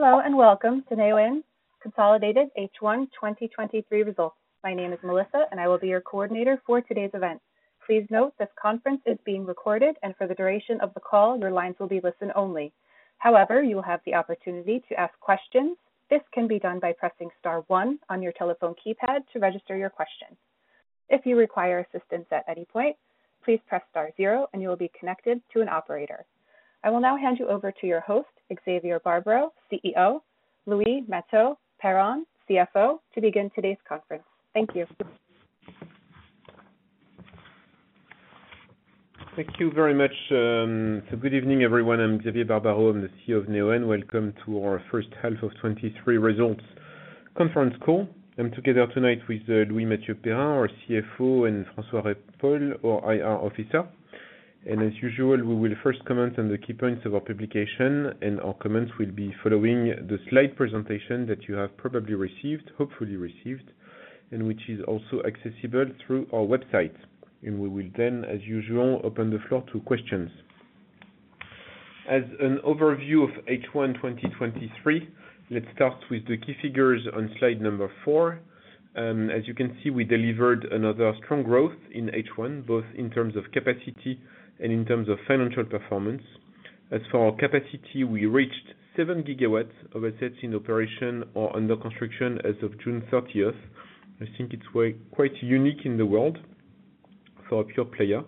Hello, welcome to Neoen's consolidated H1 2023 Results. My name is Melissa, and I will be your coordinator for today's event. Please note, this conference is being recorded, and for the duration of the call, your lines will be listen only. However, you will have the opportunity to ask questions. This can be done by pressing star one on your telephone keypad to register your question. If you require assistance at any point, please press star zero and you will be connected to an operator. I will now hand you over to your host, Xavier Barbaro, CEO, Louis-Mathieu Perrin, CFO, to begin today's conference. Thank you. Thank you very much. Good evening, everyone. I'm Xavier Barbaro. I'm the CEO of Neoen. Welcome to our First Half of 2023 Results Conference Call. I'm together tonight with Louis-Mathieu Perrin, our CFO, and Francois Repolt, our IR officer. As usual, we will first comment on the key points of our publication, our comments will be following the slide presentation that you have probably received, hopefully received, and which is also accessible through our website. We will then, as usual, open the floor to questions. As an overview of H1 2023, let's start with the key figures on slide number four. As you can see, we delivered another strong growth in H1, both in terms of capacity and in terms of financial performance. As for our capacity, we reached 7 GW of assets in operation or under construction as of June thirtieth. I think it's quite unique in the world for a pure player.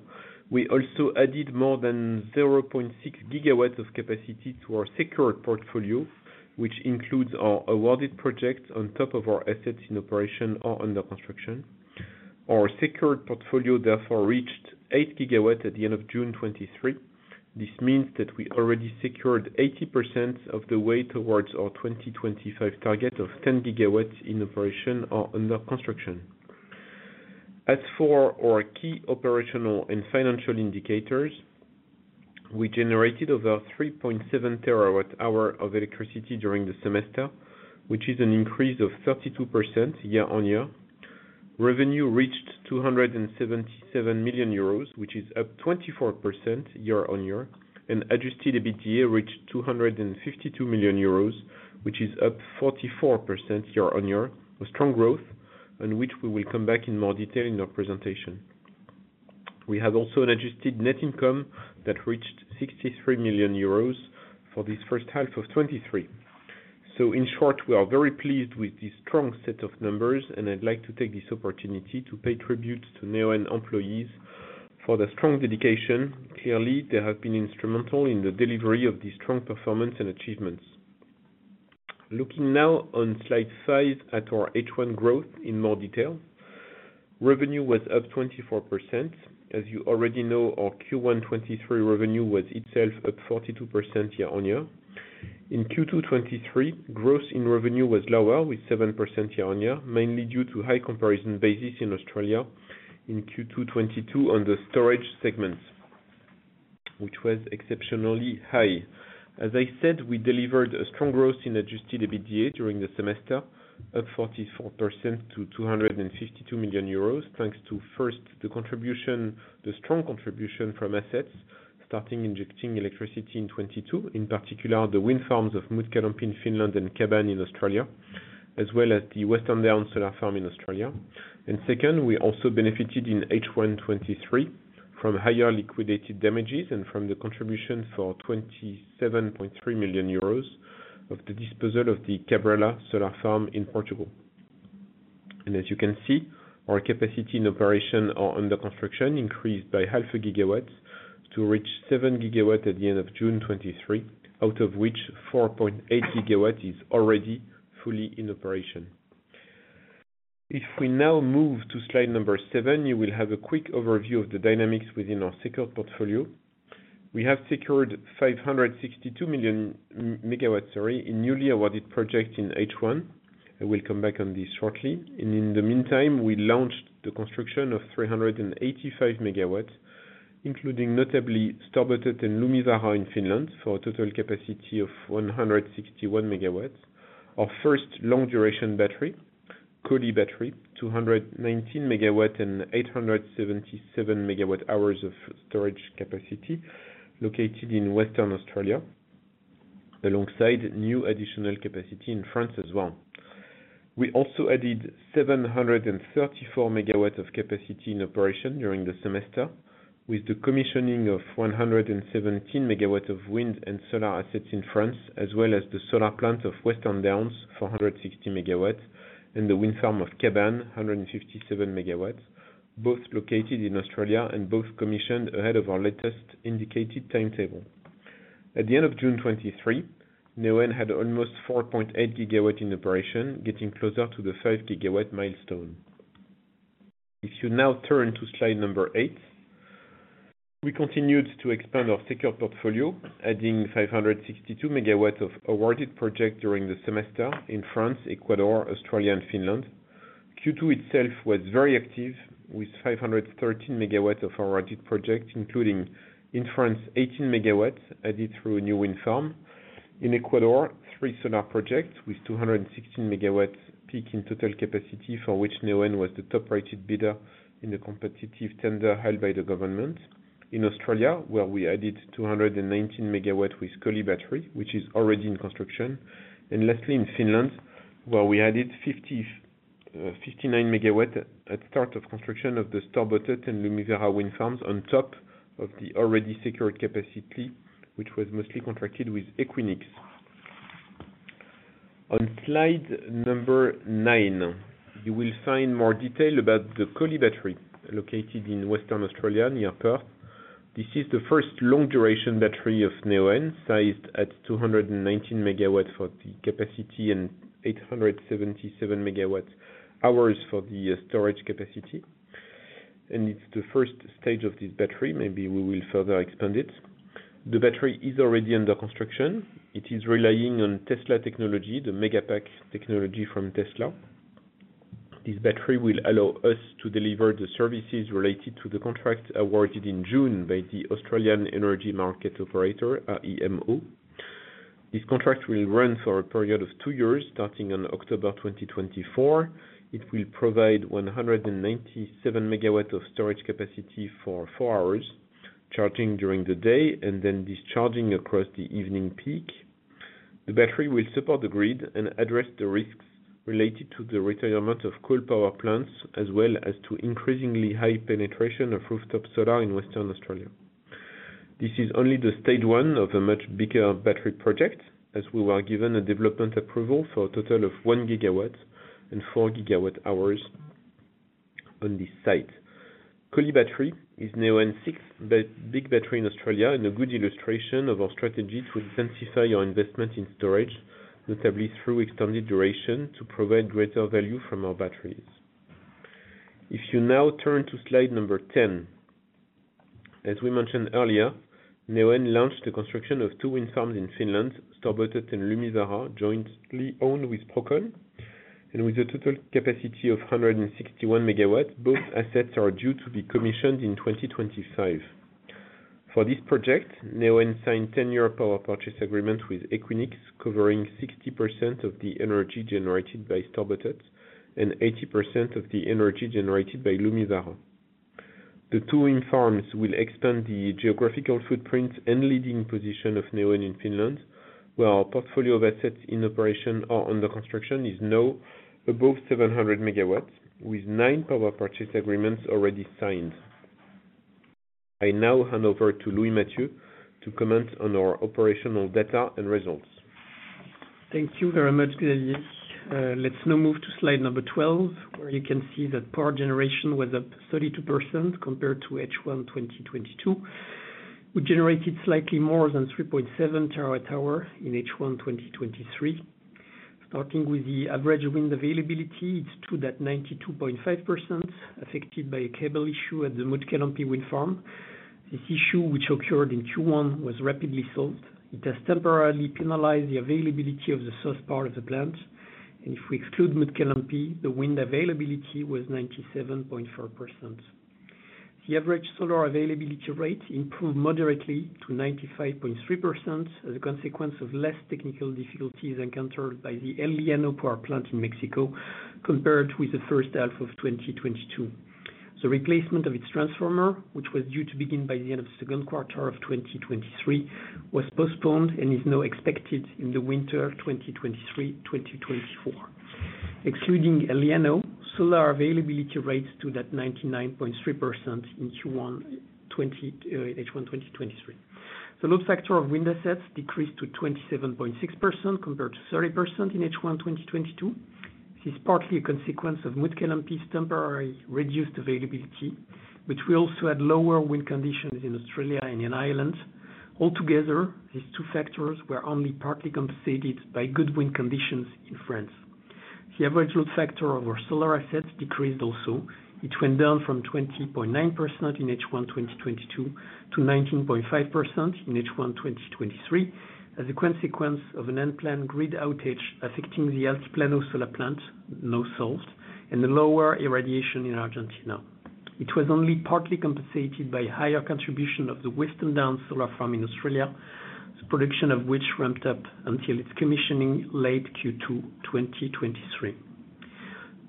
We also added more than 0.6 GW of capacity to our secured portfolio, which includes our awarded projects on top of our assets in operation or under construction. Our secured portfolio therefore reached 8 GW at the end of June '23. This means that we already secured 80% of the way towards our 2025 target of 10 GW in operation or under construction. As for our key operational and financial indicators, we generated over 3.7 terawatt-hours of electricity during the semester, which is an increase of 32% year-on-year. Revenue reached 277 million euros, which is up 24% year-on-year, and adjusted EBITDA reached 252 million euros, which is up 44% year-on-year. A strong growth, on which we will come back in more detail in our presentation. We have also an adjusted net income that reached 63 million euros for this H1 '23. In short, we are very pleased with these strong set of numbers, and I'd like to take this opportunity to pay tribute to Neoen employees for their strong dedication. They have been instrumental in the delivery of these strong performance and achievements. Looking now on slide five at our H1 growth in more detail. Revenue was up 24%. As you already know, our Q1 '23 revenue was itself up 42% year on year. In Q2 '23, growth in Revenue was lower, with 7% year on year, mainly due to high comparison basis in Australia in Q2 '22 on the storage segments, which was exceptionally high. As I said, we delivered a strong growth in adjusted EBITDA during the semester, up 44% to 252 million euros, thanks to, first, the contribution, the strong contribution from assets starting injecting electricity in 2022, in particular, the wind farms of Mutkalampi in Finland and Kaban in Australia, as well as the Western Downs Solar Farm in Australia. Second, we also benefited in H1 2023 from higher liquidated damages and from the contribution for 27.3 million euros of the disposal of the Cabrela Solar Farm in Portugal. As you can see, our capacity in operation or under construction increased by half a gigawatt to reach 7 GW at the end of June 2023, out of which 4.8 GW is already fully in operation. If we now move to slide number seven, you will have a quick overview of the dynamics within our secured portfolio. We have secured 562 MW, sorry, in newly awarded projects in H1. I will come back on this shortly. In the meantime, we launched the construction of 385 MW, including notably Storbotten and Lumivaara in Finland, for a total capacity of 161 MW. Our first long duration battery, Collie Battery, 219 MW and 877 MWh of storage capacity located in Western Australia, alongside new additional capacity in France as well. We also added 734 MW of capacity in operation during the semester, with the commissioning of 117 MW of wind and solar assets in France, as well as the solar plant of Western Downs, 460 MW, and the wind farm of Kaban, 157 MW, both located in Australia and both commissioned ahead of our latest indicated timetable. At the end of June 2023, Neoen had almost 4.8 GW in operation, getting closer to the 5 GW milestone. If you now turn to slide number eight, we continued to expand our secured portfolio, adding 562 MW of awarded project during the semester in France, Ecuador, Australia, and Finland. Q2 itself was very active, with 513 MW of awarded projects, including in France, 18 MW added through a new wind farm. In Ecuador, three solar projects with 216 MW peak in total capacity for which Neoen was the top-rated bidder in the competitive tender held by the government. In Australia, where we added 219 MW with Collie Battery, which is already in construction. Lastly, in Finland, where we added 59 MW at start of construction of the Storbotten and Lumivaara wind farms on top of the already secured capacity, which was mostly contracted with Equinix. On slide number 9, you will find more detail about the Collie Battery located in Western Australia, near Perth. This is the first long-duration battery of Neoen, sized at 219 MW for the capacity and 877 MWh for the storage capacity. It's the first stage of this battery. Maybe we will further expand it. The battery is already under construction. It is relying on Tesla technology, the Megapack technology from Tesla. This battery will allow us to deliver the services related to the contract awarded in June by the Australian Energy Market Operator, AEMO. This contract will run for a period of two years, starting in October 2024. It will provide 197 MW of storage capacity for 4 hours, charging during the day and then discharging across the evening peak. The battery will support the grid and address the risks related to the retirement of coal power plants, as well as to increasingly high penetration of rooftop solar in Western Australia. This is only the stage one of a much bigger battery project, as we were given a development approval for a total of 1 GW and 4 GW hours on this site. Collie Battery is now in sixth big battery in Australia, a good illustration of our strategy to intensify our investment in storage, notably through extended duration, to provide greater value from our batteries. If you now turn to slide number ten. As we mentioned earlier, Neoen launched the construction of two wind farms in Finland, Storbotten and Lumivaara, jointly owned with Prokon, with a total capacity of 161 MW, both assets are due to be commissioned in 2025. For this project, Neoen signed 10-year power purchase agreement with Equinix, covering 60% of the energy generated by Storbotten and 80% of the energy generated by Lumivaara. The two wind farms will expand the geographical footprint and leading position of Neoen in Finland, where our portfolio of assets in operation or under construction is now above 700 MW, with 9 power purchase agreements already signed. I now hand over to Louis Mathieu to comment on our operational data and results. Thank you very much, Xavier. Let's now move to slide number 12, where you can see that power generation was up 32% compared to H1 2022. We generated slightly more than 3.7 terawatt-hours in H1 2023. Starting with the average wind availability, it's true that 92.5% affected by a cable issue at the Mutkalampi wind farm. This issue, which occurred in Q1, was rapidly solved. It has temporarily penalized the availability of the first part of the plant, and if we exclude Mutkalampi, the wind availability was 97.4%. The average solar availability rate improved moderately to 95.3%, as a consequence of less technical difficulties encountered by the El Llano power plant in Mexico, compared with the first half of 2022. The replacement of its transformer, which was due to begin by the end of the Q2 of 2023, was postponed and is now expected in the winter of 2023/2024. Excluding El Llano, solar availability rates to that 99.3% in H1 2023. The load factor of wind assets decreased to 27.6%, compared to 30% in H1 2022. This is partly a consequence of Mutkalampi's temporary reduced availability, but we also had lower wind conditions in Australia and in Ireland. Altogether, these two factors were only partly compensated by good wind conditions in France. The average load factor of our solar assets decreased also. It went down from 20.9% in H1 2022 to 19.5% in H1 2023, as a consequence of an unplanned grid outage affecting the Altiplano solar plant, now solved, and the lower irradiation in Argentina. It was only partly compensated by higher contribution of the Western Downs Solar Farm in Australia, the production of which ramped up until its commissioning late Q2 2023.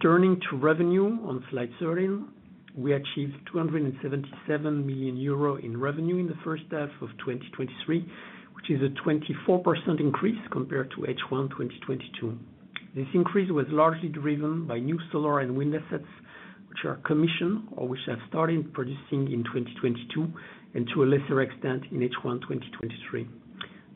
Turning to revenue on slide thirteen, we achieved 277 million euro in revenue in the first half of 2023, which is a 24% increase compared to H1 2022. This increase was largely driven by new solar and wind assets, which are commissioned or which have started producing in 2022, and to a lesser extent, in H1 2023.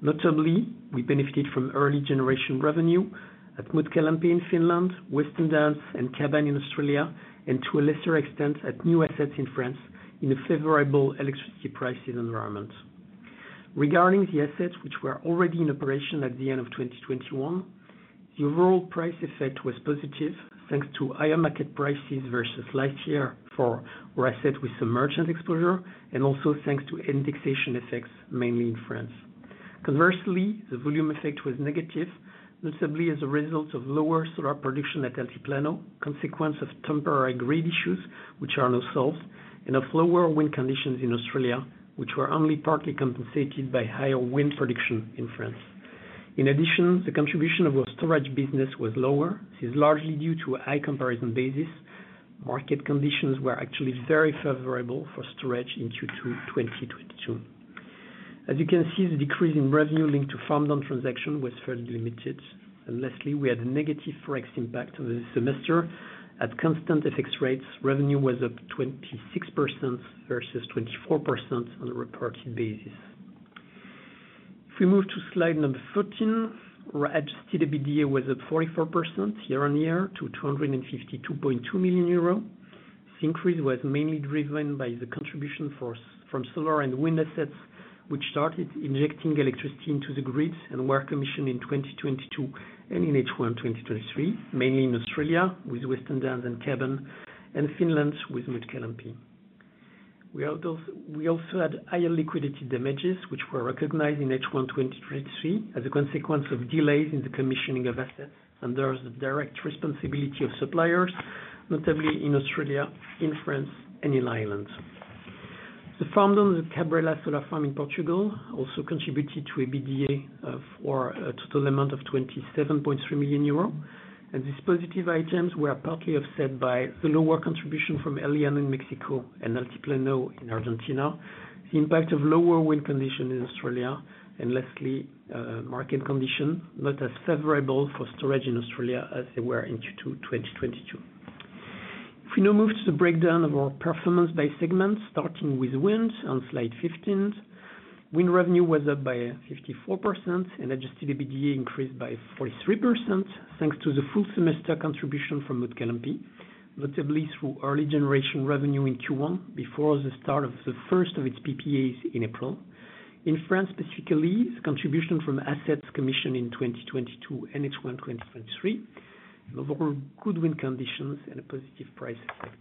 Notably, we benefited from early generation revenue at Mutkalampi in Finland, Western Downs and Kaban in Australia, and to a lesser extent, at new assets in France, in a favorable electricity prices environment. Regarding the assets which were already in operation at the end of 2021, the overall price effect was positive, thanks to higher market prices versus last year for our asset with the merchant exposure, and also thanks to indexation effects, mainly in France. Conversely, the volume effect was negative, notably as a result of lower solar production at Altiplano, consequence of temporary grid issues, which are now solved, and of lower wind conditions in Australia, which were only partly compensated by higher wind production in France. In addition, the contribution of our storage business was lower. This is largely due to a high comparison basis. Market conditions were actually very favorable for storage in Q2 '22. As you can see, the decrease in Revenue linked to farm down transaction was fairly limited, lastly, we had a negative Forex impact on this semester. At constant FX rates, Revenue was up 26% versus 24% on a reported basis. If we move to slide number 13, our adjusted EBITDA was up 44% year-on-year to 252.2 million euro. This increase was mainly driven by the contribution from solar and wind assets, which started injecting electricity into the grid and were commissioned in 2022 and in H1 2023, mainly in Australia, with Western Downs and Kaban, and Finland with Mutkalampi. We also had higher liquidated damages, which were recognized in H1 2023 as a consequence of delays in the commissioning of assets, and there is the direct responsibility of suppliers, notably in Australia, in France, and in Ireland. The farm down the Cabrela Solar Farm in Portugal also contributed to EBITDA for a total amount of 27.3 million euros, and these positive items were partly offset by the lower contribution from Eleanor in Mexico and Altiplano in Argentina, the impact of lower wind conditions in Australia, and lastly, market conditions, not as favorable for storage in Australia as they were in Q2 2022. If we now move to the breakdown of our performance by segments, starting with wind on slide fifteen. Wind revenue was up by 54%, and adjusted EBITDA increased by 43%, thanks to the full semester contribution from Mutkalampi, notably through early generation revenue in Q1, before the start of the first of its PPAs in April. In France, specifically, the contribution from assets commissioned in 2022 and H1 2023, overall good wind conditions and a positive price effect.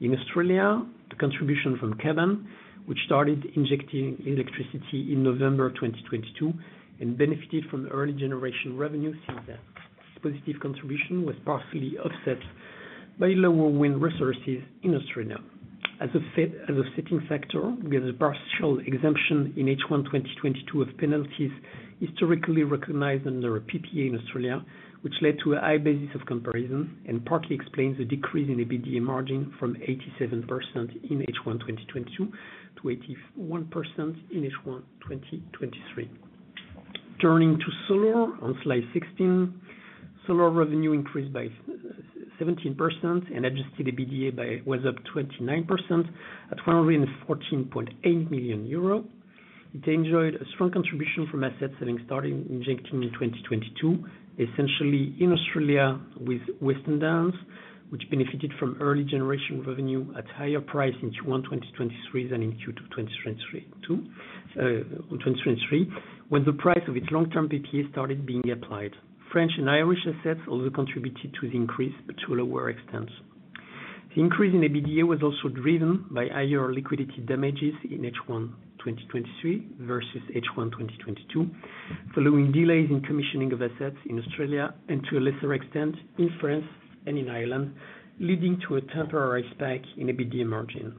In Australia, the contribution from Kaban, which started injecting electricity in November 2022 and benefited from the early generation revenue, since then. This positive contribution was partially offset by lower wind resources in Australia. As a setting factor, we had a partial exemption in H1 2022 of penalties historically recognized under a PPA in Australia, which led to a high basis of comparison and partly explains the decrease in EBITDA margin from 87% in H1 2022 to 81% in H1 2023. Turning to solar on slide 16. Solar revenue increased by 17% and adjusted EBITDA was up 29% at 114.8 million euro. It enjoyed a strong contribution from asset selling, starting injecting in 2022, essentially in Australia with Western Downs, which benefited from early generation revenue at higher price in Q1 2023 than in Q2 2023, in 2023, when the price of its long-term PPA started being applied. French and Irish assets also contributed to the increase, but to a lower extent. The increase in EBITDA was also driven by higher liquidated damages in H1 2023 versus H1 2022, following delays in commissioning of assets in Australia, and to a lesser extent, in France and in Ireland, leading to a temporary spike in EBITDA margin.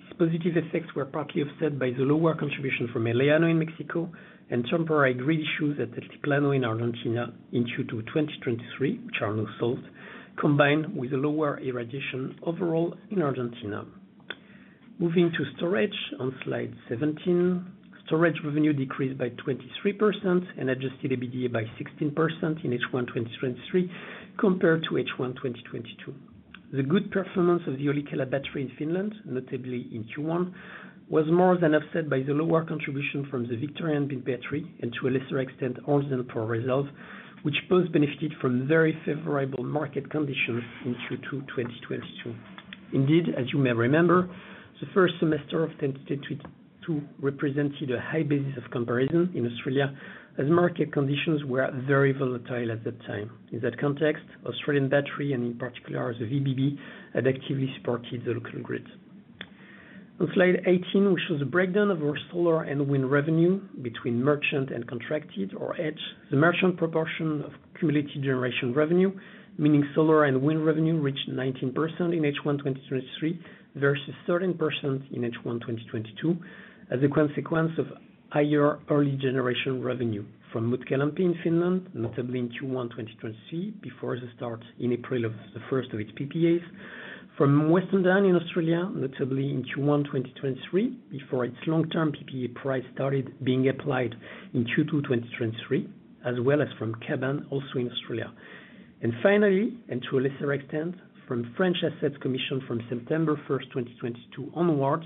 These positive effects were partly offset by the lower contribution from El Llano in Mexico and temporary grid issues at Altiplano in Argentina, in Q2 2023, which are now solved, combined with a lower irradiation overall in Argentina. Moving to storage on slide 17. Storage revenue decreased by 23% and adjusted EBITDA by 16% in H1 2023, compared to H1 2022. The good performance of the Yllikkälä battery in Finland, notably in Q1, was more than offset by the lower contribution from the Victorian Big Battery, and to a lesser extent, Hornsdale Power Reserve, which both benefited from very favorable market conditions in Q2 2022. Indeed, as you may remember, the first semester of 2022 represented a high basis of comparison in Australia, as market conditions were very volatile at that time. In that context, Australian Battery, and in particular the VBB, had actively supported the local grid. On slide 18, which shows a breakdown of our solar and wind revenue between merchant and contracted or hedge. The merchant proportion of cumulative generation revenue, meaning solar and wind revenue, reached 19% in H1 2023, versus 13% in H1 2022, as a consequence of higher early generation revenue from Mutkalampi in Finland, notably in Q1 2023, before the start in April of the first of its PPAs. From Western Downs in Australia, notably in Q1 2023, before its long-term PPA price started being applied in Q2 2023, as well as from Kaban, also in Australia. Finally, and to a lesser extent, from French Assets Commission, from September 1, 2022 onwards,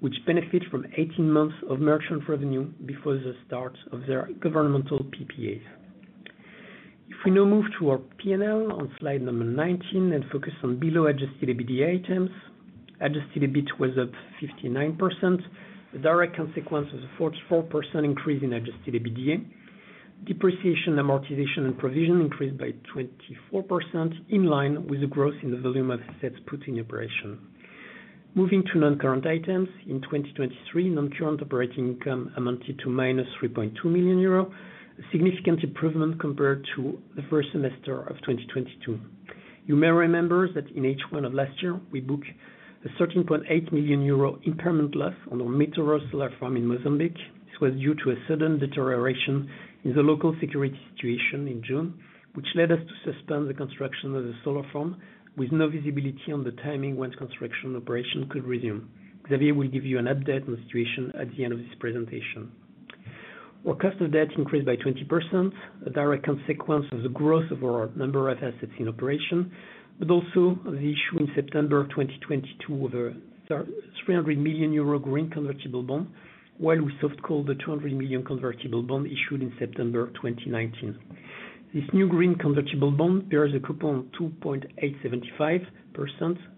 which benefit from 18 months of merchant revenue before the start of their governmental PPAs. If we now move to our P&L on slide number 19, and focus on below adjusted EBITDA items. Adjusted EBIT was up 59%. The direct consequence was a 44% increase in adjusted EBITDA. Depreciation, amortization, and provision increased by 24%, in line with the growth in the volume of assets put in operation. Moving to non-current items. In 2023, non-current operating income amounted to -3.2 million euro. A significant improvement compared to the first semester of 2022. You may remember that in H1 of last year, we booked a 13.8 million euro impairment loss on our Metoro Solar Farm in Mozambique, which was due to a sudden deterioration in the local security situation in June, which led us to suspend the construction of the solar farm, with no visibility on the timing when construction operation could resume. Xavier will give you an update on the situation at the end of this presentation. Our cost of debt increased by 20%, a direct consequence of the growth of our number of assets in operation, but also the issue in September of 2022, of a 300 million euro green convertible bond, while we soft called the 200 million EUR convertible bond issued in September 2019. This new green convertible bond bears a coupon of 2.875%,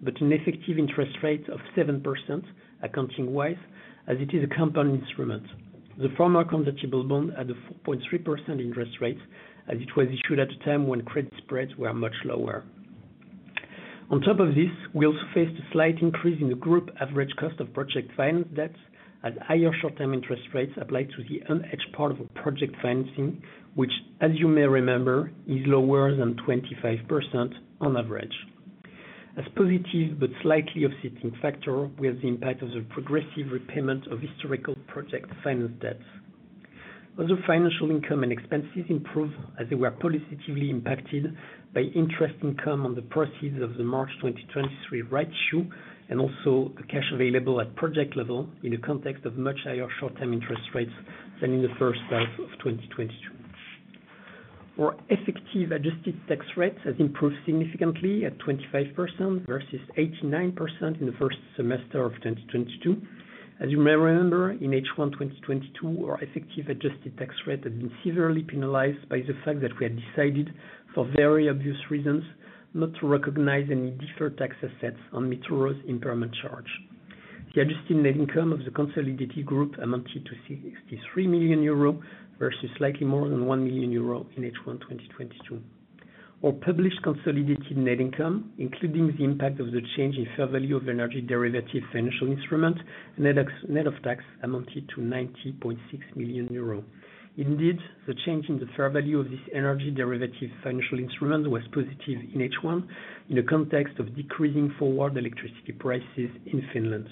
but an effective interest rate of 7% accounting-wise, as it is a compound instrument. The former convertible bond had a 4.3% interest rate, as it was issued at a time when credit spreads were much lower. On top of this, we also faced a slight increase in the group average cost of project finance debts, as higher short-term interest rates applied to the unhedged part of a project financing, which, as you may remember, is lower than 25% on average. As positive, but slightly offsetting factor, we have the impact of the progressive repayment of historical project finance debts. Other financial income and expenses improved as they were positively impacted by interest income on the proceeds of the March 2023 right issue, and also the cash available at project level in the context of much higher short-term interest rates than in the first half of 2022. Our effective adjusted tax rate has improved significantly at 25%, versus 89% in the first semester of 2022. As you may remember, in H1 2022, our effective adjusted tax rate had been severely penalized by the fact that we had decided, for very obvious reasons, not to recognize any deferred tax assets on Metoro's impairment charge. The adjusted net income of the consolidated group amounted to 63 million euro, versus slightly more than 1 million euro in H1 2022. Our published consolidated net income, including the impact of the change in fair value of energy derivative financial instrument, net ex- net of tax, amounted to 90.6 million euros. The change in the fair value of this energy derivative financial instrument was positive in H1, in the context of decreasing forward electricity prices in Finland.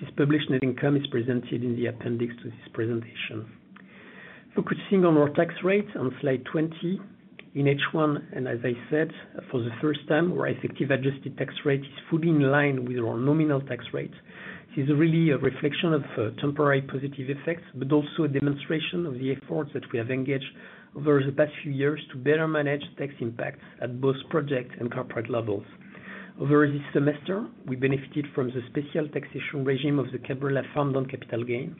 This published net income is presented in the appendix to this presentation. Focusing on our tax rate on slide 20, in H1, and as I said, for the first time, our effective adjusted tax rate is fully in line with our nominal tax rate. This is really a reflection of temporary positive effects, but also a demonstration of the efforts that we have engaged over the past few years to better manage tax impacts at both project and corporate levels. Over this semester, we benefited from the special taxation regime of the capital farmed on capital gain,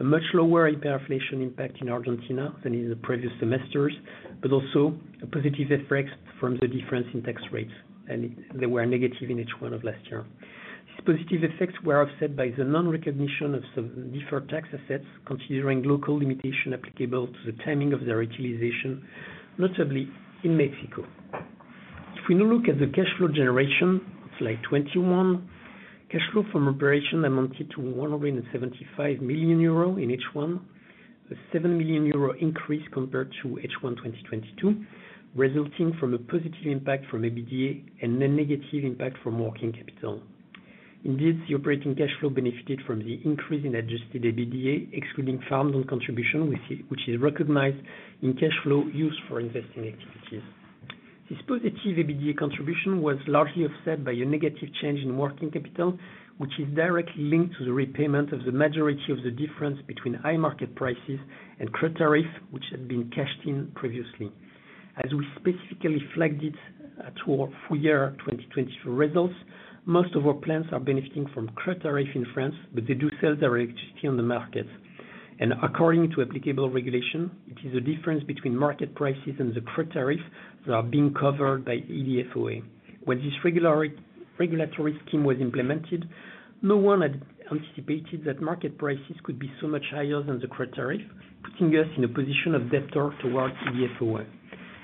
a much lower hyperinflation impact in Argentina than in the previous semesters, but also a positive effects from the difference in tax rates, and they were negative in H1 of last year. These positive effects were offset by the non-recognition of some deferred tax assets, considering local limitation applicable to the timing of their utilization, notably in Mexico. If we now look at the cash flow generation, slide 21. Cash flow from operation amounted to 175 million euro in H1. A 7 million euro increase compared to H1 2022, resulting from a positive impact from EBITDA and a negative impact from working capital. Indeed, the operating cash flow benefited from the increase in adjusted EBITDA, excluding farmed wind contribution, which is recognized in cash flow used for investing activities. This positive EBITDA contribution was largely offset by a negative change in working capital, which is directly linked to the repayment of the majority of the difference between high market prices and credit tariff, which had been cashed in previously. As we specifically flagged it to our full year 2022 results, most of our plants are benefiting from credit tariff in France, but they do sell their electricity on the market. According to applicable regulation, it is the difference between market prices and the credit tariff that are being covered by EDF OA. When this regulatory scheme was implemented, no one had anticipated that market prices could be so much higher than the credit tariff, putting us in a position of debtor towards EDF OA.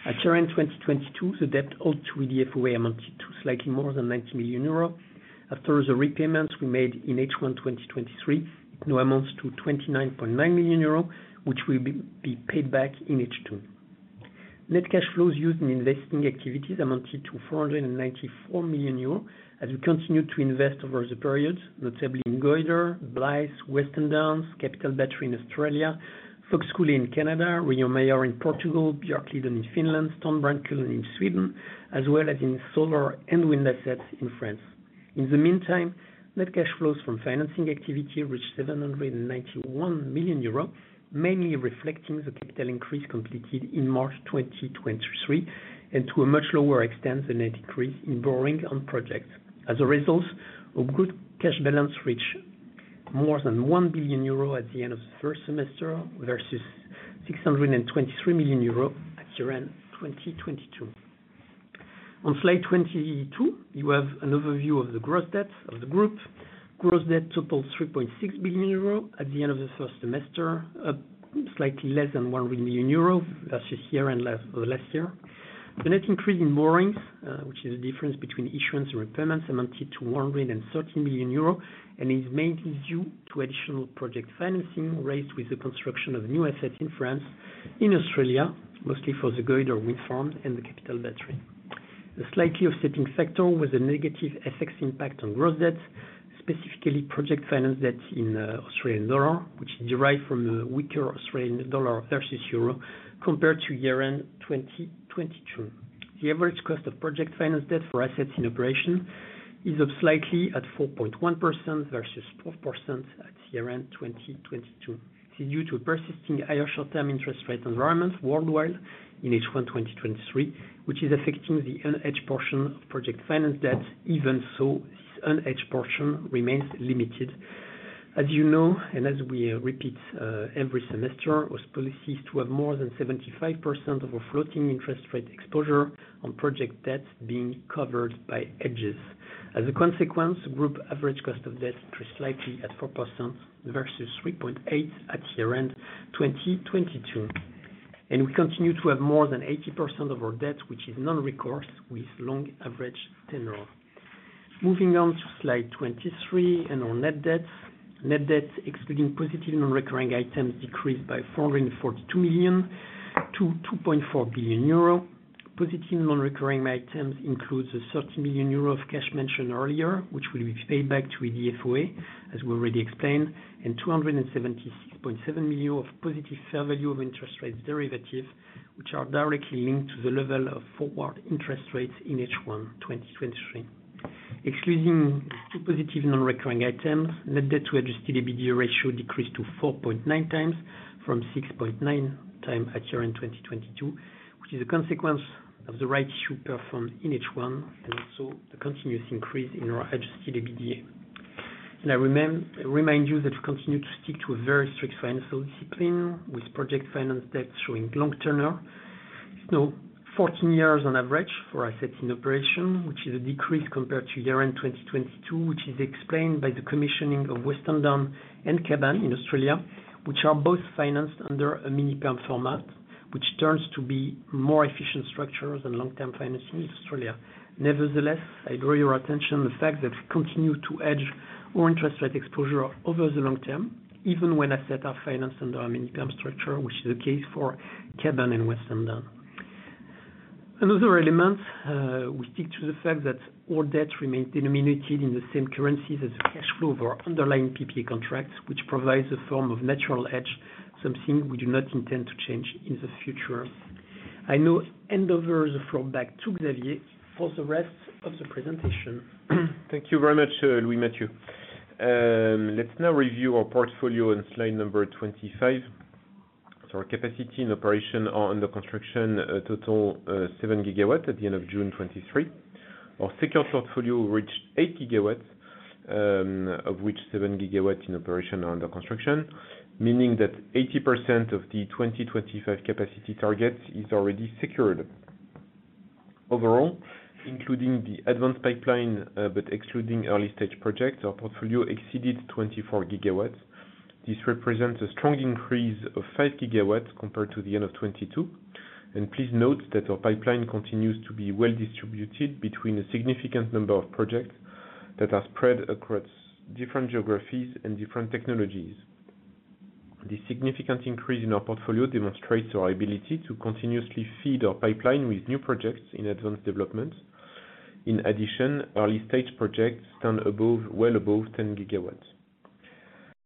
At current 2022, the debt owed to EDF OA amounted to slightly more than 90 million euros. After the repayments we made in H1 2023, it now amounts to 29.9 million euros, which will be paid back in H2. Net cash flows used in investing activities amounted to 494 million euros, as we continued to invest over the period, notably in Goyder, Blythe, Western Downs, Capital Battery in Australia, Fox Coulee in Canada, Rio Maior in Portugal, Björkliden in Finland, Stornorrkullen in Sweden, as well as in solar and wind assets in France. Net cash flows from financing activity reached 791 million euro, mainly reflecting the capital increase completed in March 2023, and to a much lower extent, than a decrease in borrowing on projects. As a result, our good cash balance reach more than 1 billion euro at the end of the first semester, versus 623 million euro at year-end 2022. On slide 22, you have an overview of the gross debt of the group. Gross debt total 3.6 billion euro at the end of the first semester, up slightly less than 100 million euro versus year and last year. The net increase in borrowings, which is the difference between issuance and repayments, amounted to 113 million euros and is mainly due to additional project financing raised with the construction of new assets in France, in Australia, mostly for the Goyder Wind Farm and the Collie Battery. The slightly offsetting factor was a negative FX impact on gross debts, specifically project finance debt in Australian dollar, which is derived from a weaker Australian dollar versus euro, compared to year-end 2022. The average cost of project finance debt for assets in operation is up slightly at 4.1% versus 4% at year-end 2022. It's due to a persisting higher short-term interest rate environment worldwide in H1 2023, which is affecting the unhedged portion of project finance debt. Even so, this unhedged portion remains limited. As you know, and as we repeat every semester, our policy is to have more than 75% of our floating interest rate exposure on project debts being covered by hedges. As a consequence, group average cost of debt increased slightly at 4% versus 3.8% at year-end 2022. We continue to have more than 80% of our debt, which is non-recourse with long average tenure. Moving on to slide 23, and our net debts. Net debts, excluding positive non-recurring items, decreased by 442 million to 2.4 billion euro. Positive non-recurring items includes 30 million euro of cash mentioned earlier, which will be paid back to EDF OA, as we already explained, and 276.7 million of positive fair value of interest rates derivative, which are directly linked to the level of forward interest rates in H1 2023. Excluding 2 positive non-recurring items, net debt to adjusted EBITDA ratio decreased to 4.9 times from 6.9 times at year-end 2022, which is a consequence of the right issue performed in H1, and also the continuous increase in our adjusted EBITDA. I remind you that we continue to stick to a very strict financial discipline, with project finance debt showing long tenure. 14 years on average for assets in operation, which is a decrease compared to year-end 2022, which is explained by the commissioning of Western Downs and Kaban in Australia, which are both financed under a mini perm format, which turns to be more efficient structure than long-term financing in Australia. Nevertheless, I draw your attention the fact that we continue to hedge our interest rate exposure over the long term, even when assets are financed under our mini perm structure, which is the case for Kaban and Western Downs. Another element, we stick to the fact that all debt remains denominated in the same currencies as the cash flow for our underlying PPA contracts, which provides a form of natural hedge, something we do not intend to change in the future. I now hand over the floor back to Xavier for the rest of the presentation. Thank you very much, Louis Mathieu. Let's now review our portfolio on slide number 25. Our capacity and operation are under construction, a total, 7 GW at the end of June 2023. Our second portfolio reached 8 GW, of which 7 GW in operation are under construction, meaning that 80% of the 2025 capacity targets is already secured. Overall, including the advanced pipeline, but excluding early stage projects, our portfolio exceeded 24 GW. This represents a strong increase of 5 GW compared to the end of 2022. Please note that our pipeline continues to be well distributed between a significant number of projects that are spread across different geographies and different technologies. This significant increase in our portfolio demonstrates our ability to continuously feed our pipeline with new projects in advanced development. In addition, early stage projects stand well above 10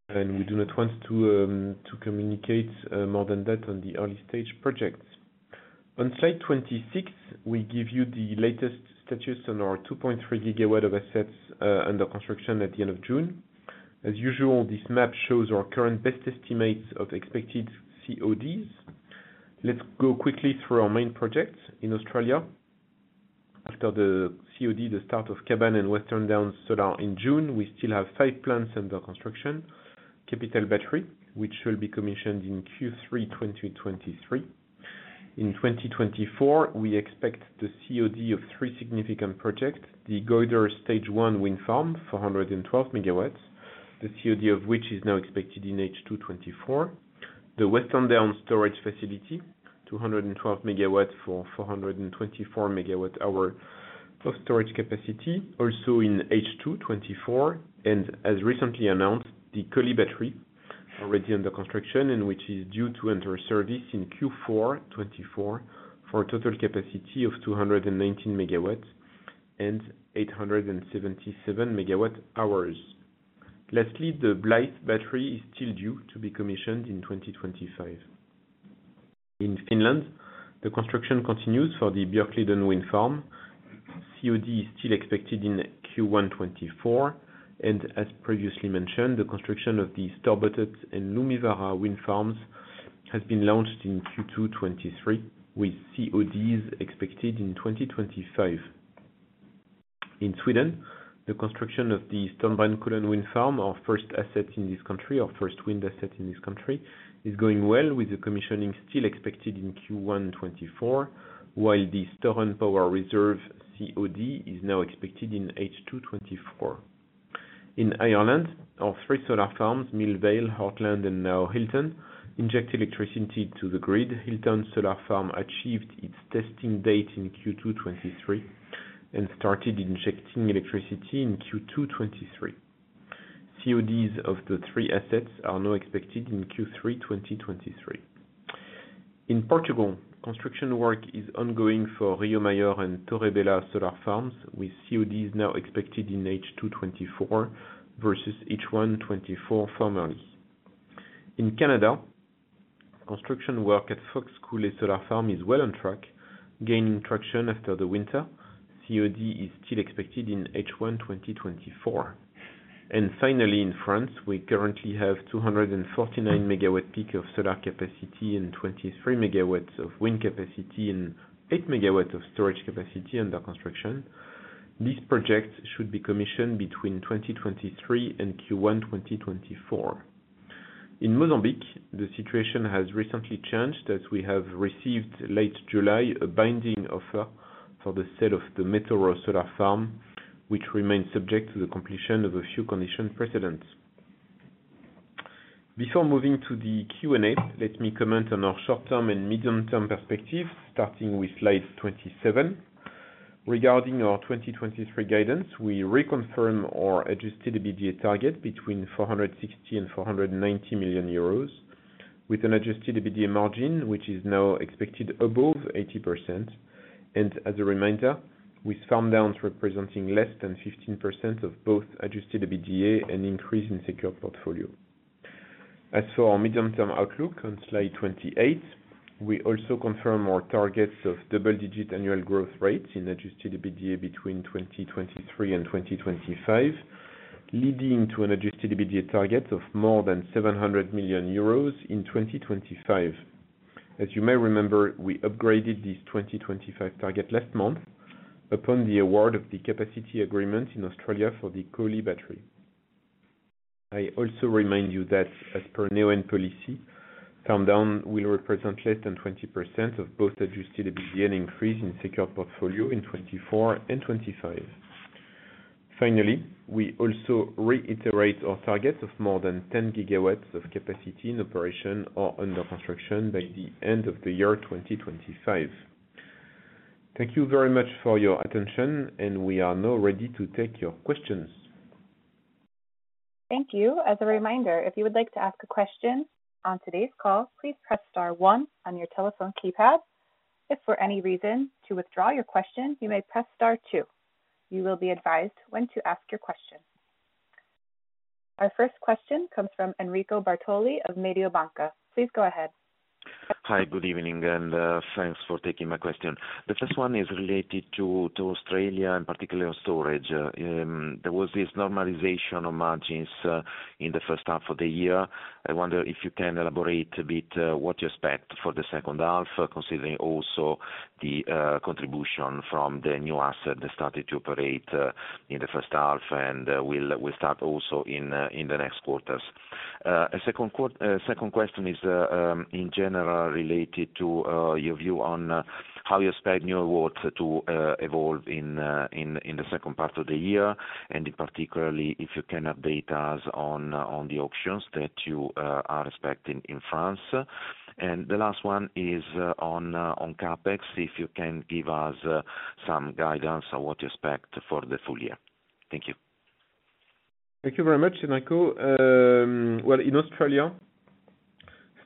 GW. We do not want to communicate more than that on the early stage projects. On slide 26, we give you the latest status on our 2.3 GW of assets under construction at the end of June. As usual, this map shows our current best estimates of expected CODs. Let's go quickly through our main projects in Australia. After the COD, the start of Kaban and Western Downs solar in June, we still have 5 plants under construction. Collie Battery, which will be commissioned in Q3 2023. In 2024, we expect the COD of 3 significant projects: the Goyder Stage One Wind Farm, 412 MW, the COD of which is now expected in H2 2024. The Western Downs storage facility, 212 MW for 424 MWh of storage capacity, also in H2 2024. As recently announced, the Collie Battery, already under construction and which is due to enter service in Q4 2024, for a total capacity of 219 MW and 877 MWh. Lastly, the Blyth Battery is still due to be commissioned in 2025. In Finland, the construction continues for the Bjorkliden Wind Farm. COD is still expected in Q1 2024, and as previously mentioned, the construction of the Storbotten and Lumivaara Wind Farms has been launched in Q2 2023, with CODs expected in 2025. In Sweden, the construction of the Stornorrkullen Wind Farm, our first wind asset in this country, is going well, with the commissioning still expected in Q1 2024, while the Stor-Skälsjön COD is now expected in H2 2024. In Ireland, our three solar farms, Millvale, Heartland, and now Hilton, inject electricity to the grid. Hilton Solar Farm achieved its testing date in Q2 2023 and started injecting electricity in Q2 2023. CODs of the three assets are now expected in Q3 2023. In Portugal, construction work is ongoing for Rio Maior and Torre Bela Solar Farms, with CODs now expected in H2 2024 versus H1 2024 formerly. In Canada, construction work at Fox Coulee Solar Farm is well on track, gaining traction after the winter. COD is still expected in H1 2024. Finally, in France, we currently have 249 MW peak of solar capacity and 23 MW of wind capacity and 8 MW of storage capacity under construction. These projects should be commissioned between 2023 and Q1 2024. In Mozambique, the situation has recently changed, as we have received late July, a binding offer for the sale of the Metoro Solar Farm, which remains subject to the completion of a few condition precedents. Before moving to the Q&A, let me comment on our short-term and medium-term perspective, starting with slide 27. Regarding our 2023 guidance, we reconfirm our adjusted EBITDA target between 460 million and 490 million euros, with an adjusted EBITDA margin, which is now expected above 80%. As a reminder, with farm downs representing less than 15% of both adjusted EBITDA and increase in secured portfolio. As for our medium-term outlook on slide 28, we also confirm our targets of double-digit annual growth rate in adjusted EBITDA between 2023 and 2025, leading to an adjusted EBITDA target of more than 700 million euros in 2025. As you may remember, we upgraded this 2025 target last month upon the award of the capacity agreement in Australia for the Collie Battery. I also remind you that as per Neoen policy, farm down will represent less than 20% of both adjusted EBITDA increase in secured portfolio in 2024 and 2025. We also reiterate our target of more than 10 GW of capacity in operation or under construction by the end of the year 2025. Thank you very much for your attention. We are now ready to take your questions. Thank you. As a reminder, if you would like to ask a question on today's call, please press star one on your telephone keypad. If for any reason to withdraw your question, you may press star two. You will be advised when to ask your question. Our first question comes from Enrico Bartoli of Mediobanca. Please go ahead. Hi, good evening, and thanks for taking my question. The first one is related to Australia, and particularly on storage. There was this normalization of margins in the first half of the year. I wonder if you can elaborate a bit what you expect for the second half, considering also the contribution from the new asset that started to operate in the first half, and will start also in the next quarters. A second question is in general, related to your view on how you expect new awards to evolve in the second part of the year, and in particularly, if you can update us on the auctions that you are expecting in France. The last one is on CapEx, if you can give us some guidance on what you expect for the full year. Thank you. Thank you very much, Enrico. Well, in Australia,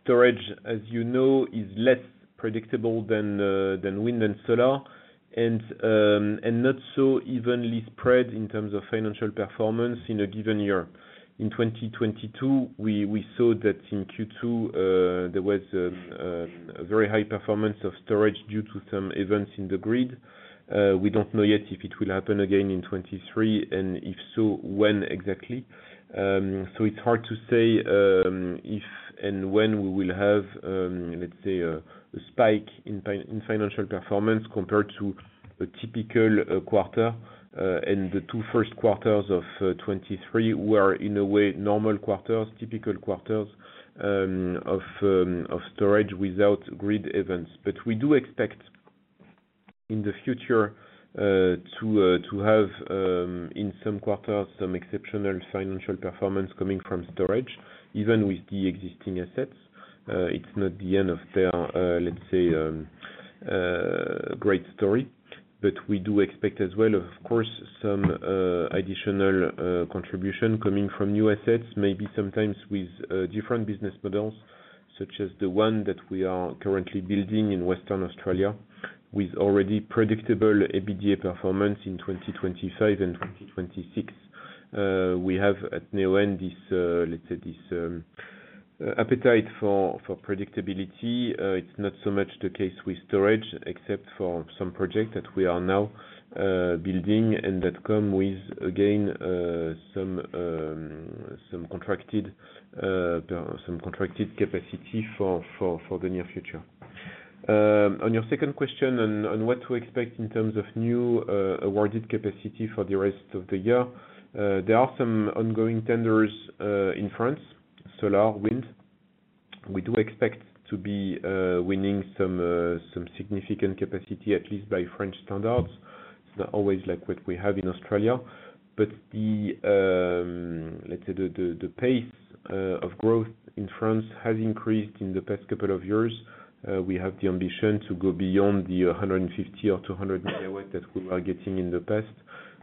storage, as you know, is less predictable than wind and solar, and not so evenly spread in terms of financial performance in a given year. In 2022, we saw that in Q2, there was a very high performance of storage due to some events in the grid. We don't know yet if it will happen again in 2023, and if so, when exactly. It's hard to say if and when we will have, let's say, a spike in financial performance compared to a typical quarter. The two Q1 of 2023 were, in a way, normal quarters, typical quarters, of storage without grid events. We do expect, in the future, to have, in some quarters, some exceptional financial performance coming from storage, even with the existing assets. It's not the end of their, let's say, great story. We do expect as well, of course, some additional contribution coming from new assets, maybe sometimes with different business models, such as the one that we are currently building in Western Australia, with already predictable EBITDA performance in 2025 and 2026. We have at Neoen, this, let's say this, appetite for predictability. It's not so much the case with storage, except for some project that we are now building, and that come with, again, some contracted capacity for the near future. On your second question on, on what to expect in terms of new, awarded capacity for the rest of the year, there are some ongoing tenders in France, solar, wind. We do expect to be winning some significant capacity, at least by French standards. It's not always like what we have in Australia, but the, let's say the pace of growth in France has increased in the past couple of years. We have the ambition to go beyond the 150 or 200 MW that we were getting in the past,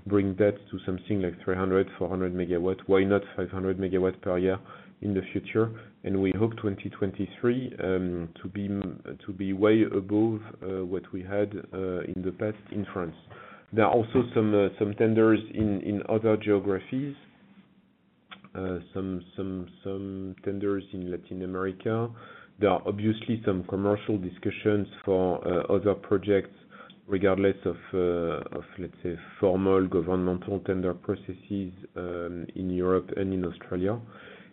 bring that to something like 300, 400 MW, why not 500 MW per year in the future? We hope 2023 to be way above what we had in the past in France. There are also some tenders in other geographies, some tenders in Latin America. There are obviously some commercial discussions for other projects, regardless of let's say, formal governmental tender processes in Europe and in Australia.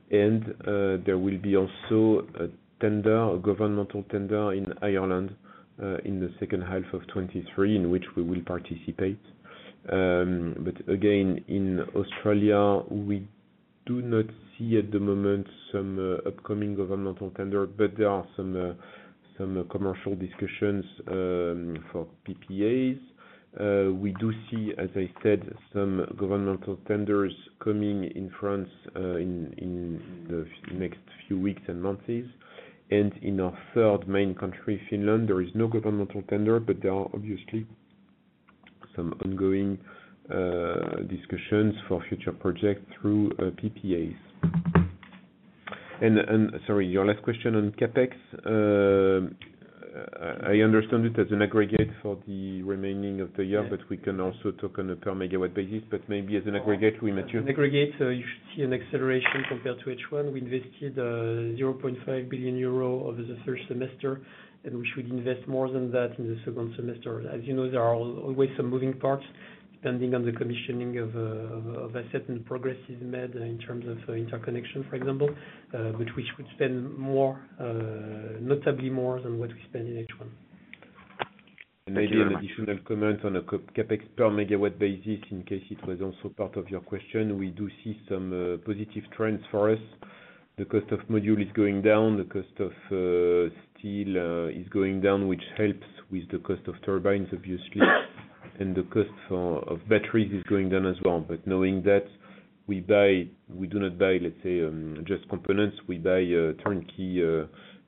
There will be also a tender, a governmental tender in Ireland in the second half of 2023, in which we will participate. But again, in Australia, we do not see at the moment some upcoming governmental tender, but there are some commercial discussions for PPAs. We do see, as I said, some governmental tenders coming in France in the next few weeks and months. In our third main country, Finland, there is no governmental tender, but there are obviously some ongoing discussions for future projects through PPAs. Sorry, your last question on CapEx. I understand it as an aggregate for the remaining of the year. Yeah. We can also talk on a per megawatt basis, but maybe as an aggregate, we match you. An aggregate, you should see an acceleration compared to each one. We invested 0.5 billion euro over the first semester, and we should invest more than that in the second semester. As you know, there are always some moving parts, depending on the commissioning of asset and progress is made in terms of interconnection, for example, but we should spend more, notably more than what we spend in H1. Maybe an additional comment on a CapEx per megawatt basis, in case it was also part of your question. We do see some positive trends for us. The cost of module is going down, the cost of steel is going down, which helps with the cost of turbines, obviously. The cost of batteries is going down as well. Knowing that we do not buy, let's say, just components, we buy turnkey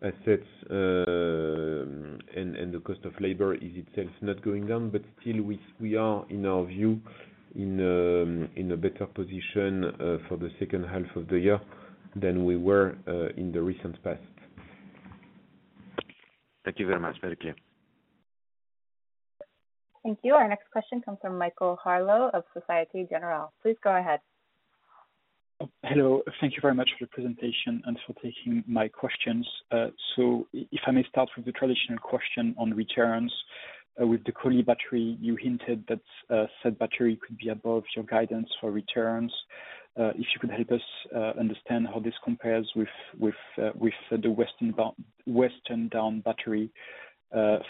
assets, and the cost of labor is itself not going down. Still, we are, in our view, in a better position for the second half of the year than we were in the recent past. Thank you very much. Very clear. Thank you. Our next question comes from Michael Harlow of Societe Generale. Please go ahead. Hello. Thank you very much for your presentation and for taking my questions. If I may start with the traditional question on returns. With the Collie Battery, you hinted that said battery could be above your guidance for returns. If you could help us understand how this compares with, with Western Downs battery,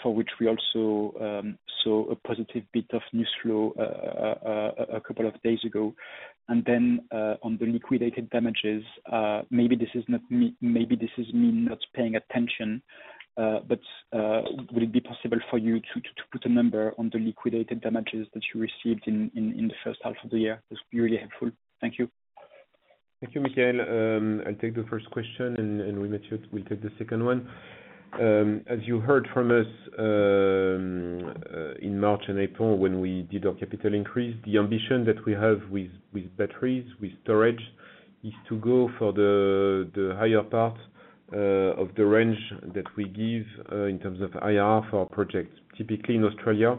for which we also saw a positive bit of news flow a couple of days ago. On the liquidated damages, maybe this is me not paying attention, but would it be possible for you to put a number on the liquidated damages that you received in the first half of the year? That's be really helpful. Thank you. Thank you, Michael. I'll take the first question, and Louis-Mathieu will take the second one. As you heard from us, in March and April when we did our capital increase, the ambition that we have with batteries, with storage, is to go for the higher part of the range that we give in terms of IRR for our projects. Typically, in Australia,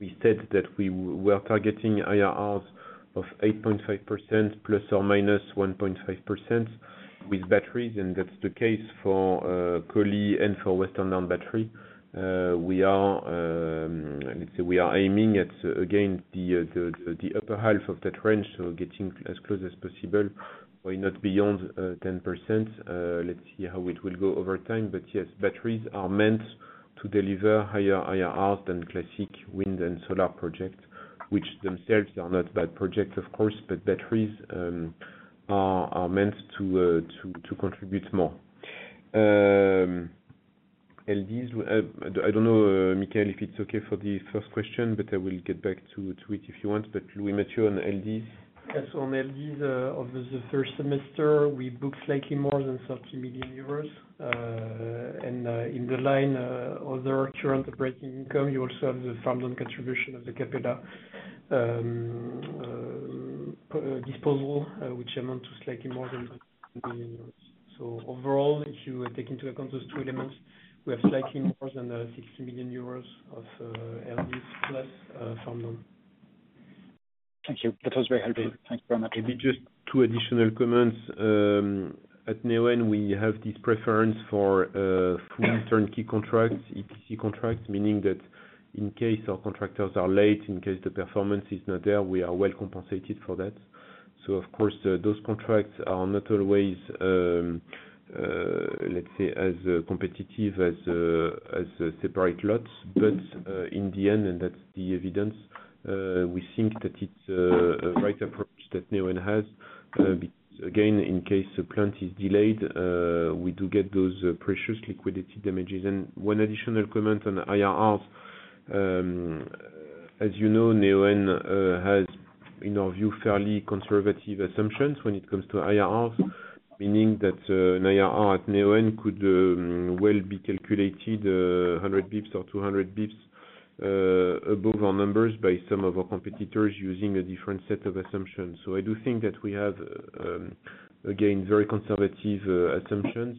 we said that we are targeting IRRs of 8.5% ±1.5% with batteries, and that's the case for Collie and for Western Downs battery. We are, let's say we are aiming at, again, the upper half of that range, so getting as close as possible, why not beyond 10%? Let's see how it will go over time. Yes, batteries are meant to deliver higher IRRs than classic wind and solar projects, which themselves are not bad projects, of course, but batteries are meant to contribute more. LDs, I don't know, Michael, if it's okay for the first question, but I will get back to it if you want. Louis Mathieu on LDs. Yes. on LDs, over the first semester, we booked slightly more than 30 million euros. In the line, other current breaking income, you also have the farmland contribution of the Cabrela disposal, which amount to slightly more than 1 million euros. Overall, if you take into account those two elements, we have slightly more than 60 million euros of LDs plus farmland. Thank you. That was very helpful. Thank you very much. Maybe just two additional comments. At Neoen, we have this preference for full turnkey contracts, EPC contracts, meaning that in case our contractors are late, in case the performance is not there, we are well compensated for that. Of course, those contracts are not always, let's say, as competitive as separate lots. In the end, and that's the evidence, we think that it's a right approach that Neoen has. Again, in case the plant is delayed, we do get those precious liquidated damages. One additional comment on IRRs. As you know, Neoen has. in our view, fairly conservative assumptions when it comes to IRRs, meaning that an IRR at Neoen could well be calculated 100 basis points or 200 basis points above our numbers by some of our competitors using a different set of assumptions. I do think that we have, again, very conservative assumptions.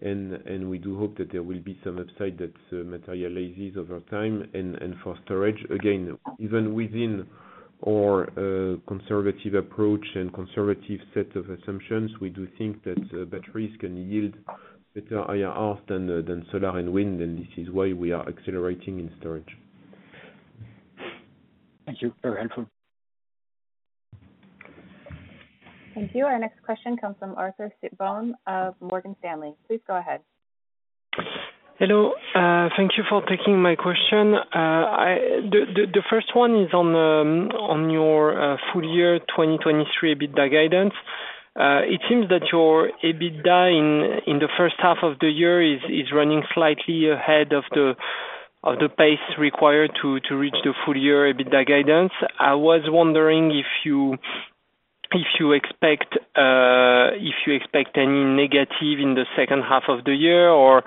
We do hope that there will be some upside that materializes over time. For storage, again, even within our conservative approach and conservative set of assumptions, we do think that batteries can yield better IRRs than solar and wind, and this is why we are accelerating in storage. Thank you. Very helpful. Thank you. Our next question comes from Arthur Sitbon of Morgan Stanley. Please go ahead. Hello, thank you for taking my question. The first one is on your full year 2023 EBITDA guidance. It seems that your EBITDA in the first half of the year is running slightly ahead of the pace required to reach the full year EBITDA guidance. I was wondering if you expect any negative in the second half of the year, or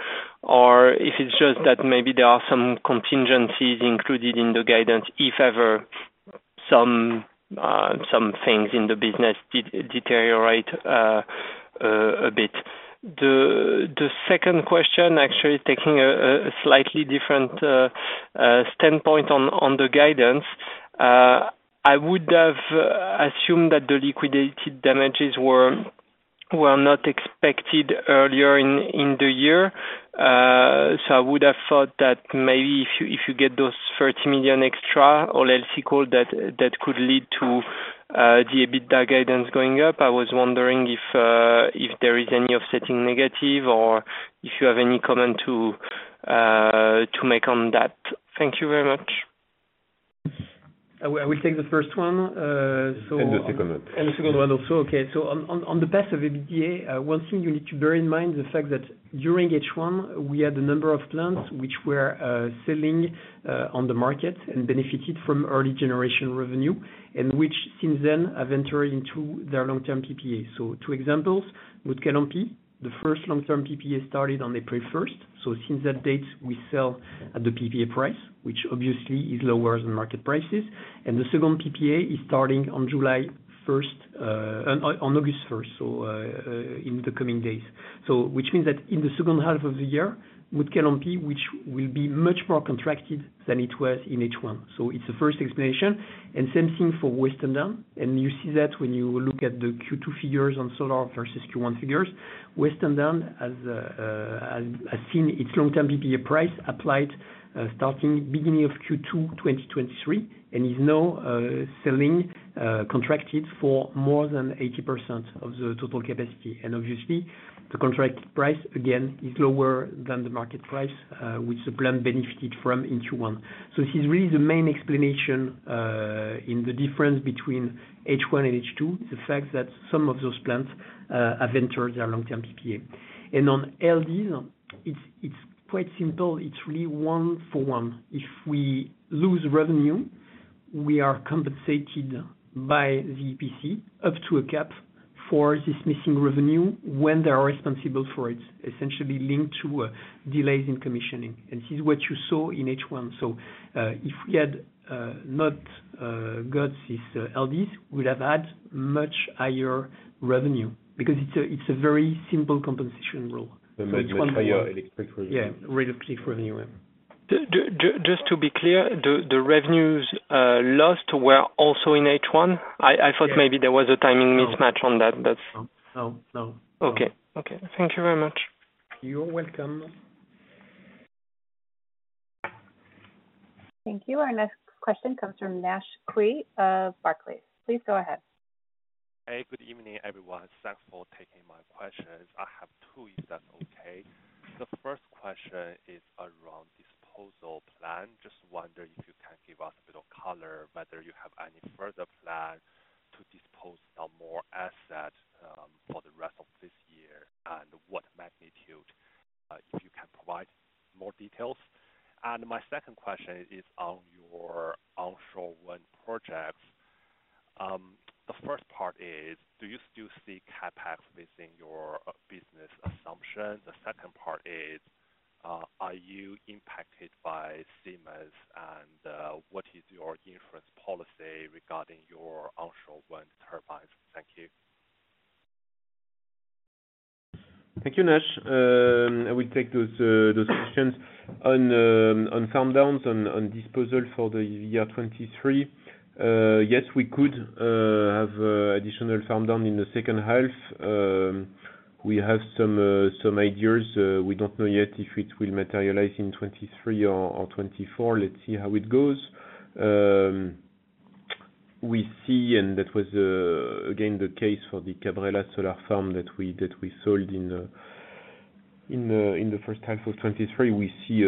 if it's just that maybe there are some contingencies included in the guidance, if ever some things in the business deteriorate a bit. The second question, actually taking a slightly different standpoint on the guidance. I would have assumed that the liquidated damages were not expected earlier in the year. I would have thought that maybe if you, if you get those 30 million extra or else you call, that, that could lead to the EBITDA guidance going up. I was wondering if there is any offsetting negative or if you have any comment to make on that? Thank you very much. I will take the first one. The second one. The second one also. Okay. On the path of EBITDA, one thing you need to bear in mind the fact that during H1, we had a number of plants which were selling on the market and benefited from early generation revenue, and which since then have entered into their long-term PPA. Two examples, Mutkalampi the first long-term PPA started on April 1st. Since that date, we sell at the PPA price, which obviously is lower than market prices. The second PPA is starting on July first, on August first, in the coming days. Which means that in the second half of the year, Mutkalampi, which will be much more contracted than it was in H1. It's the first explanation, and same thing for Western Downs. You see that when you look at the Q2 figures on solar versus Q1 figures. Western Downs has seen its long-term PPA price applied starting beginning of Q2 2023, is now selling contracted for more than 80% of the total capacity. Obviously, the contract price, again, is lower than the market price, which the plant benefited from in Q1. This is really the main explanation in the difference between H1 and H2, the fact that some of those plants have entered their long-term PPA. On LDs, it's quite simple. It's really 1 for 1. If we lose Revenue, we are compensated by the PC, up to a cap, for this missing Revenue when they are responsible for it, essentially linked to delays in commissioning. This is what you saw in H1. If we had not got this LDs, we'd have had much higher revenue, because it's a very simple compensation rule. The material electric revenue. Yeah, relatively revenue. Just to be clear, the revenues lost were also in H1? I thought- Yes. maybe there was a timing mismatch on that, but- No. No, no. Okay. Okay, thank you very much. You're welcome. Thank you. Our next question comes from Nash Qui of Barclays. Please go ahead. Hey, good evening, everyone. Thanks for taking my questions. I have two, if that's okay. The first question is around disposal plan. Just wonder if you can give us a bit of color, whether you have any further plans to dispose of more assets for the rest of this year, and what magnitude, if you can provide more details? My second question is on your onshore wind projects. The first part is, do you still see CapEx within your business assumption? The second part is, are you impacted by CMAs, and what is your inference policy regarding your onshore wind turbines? Thank you. Thank you, Nash. I will take those questions. On farm downs, on disposal for the year 2023, yes, we could have additional farm down in the second half. We have some ideas. We don't know yet if it will materialize in 2023 or 2024. Let's see how it goes. We see, and that was again the case for the Cabrela Solar Farm that we sold in the first half of 2023. We see,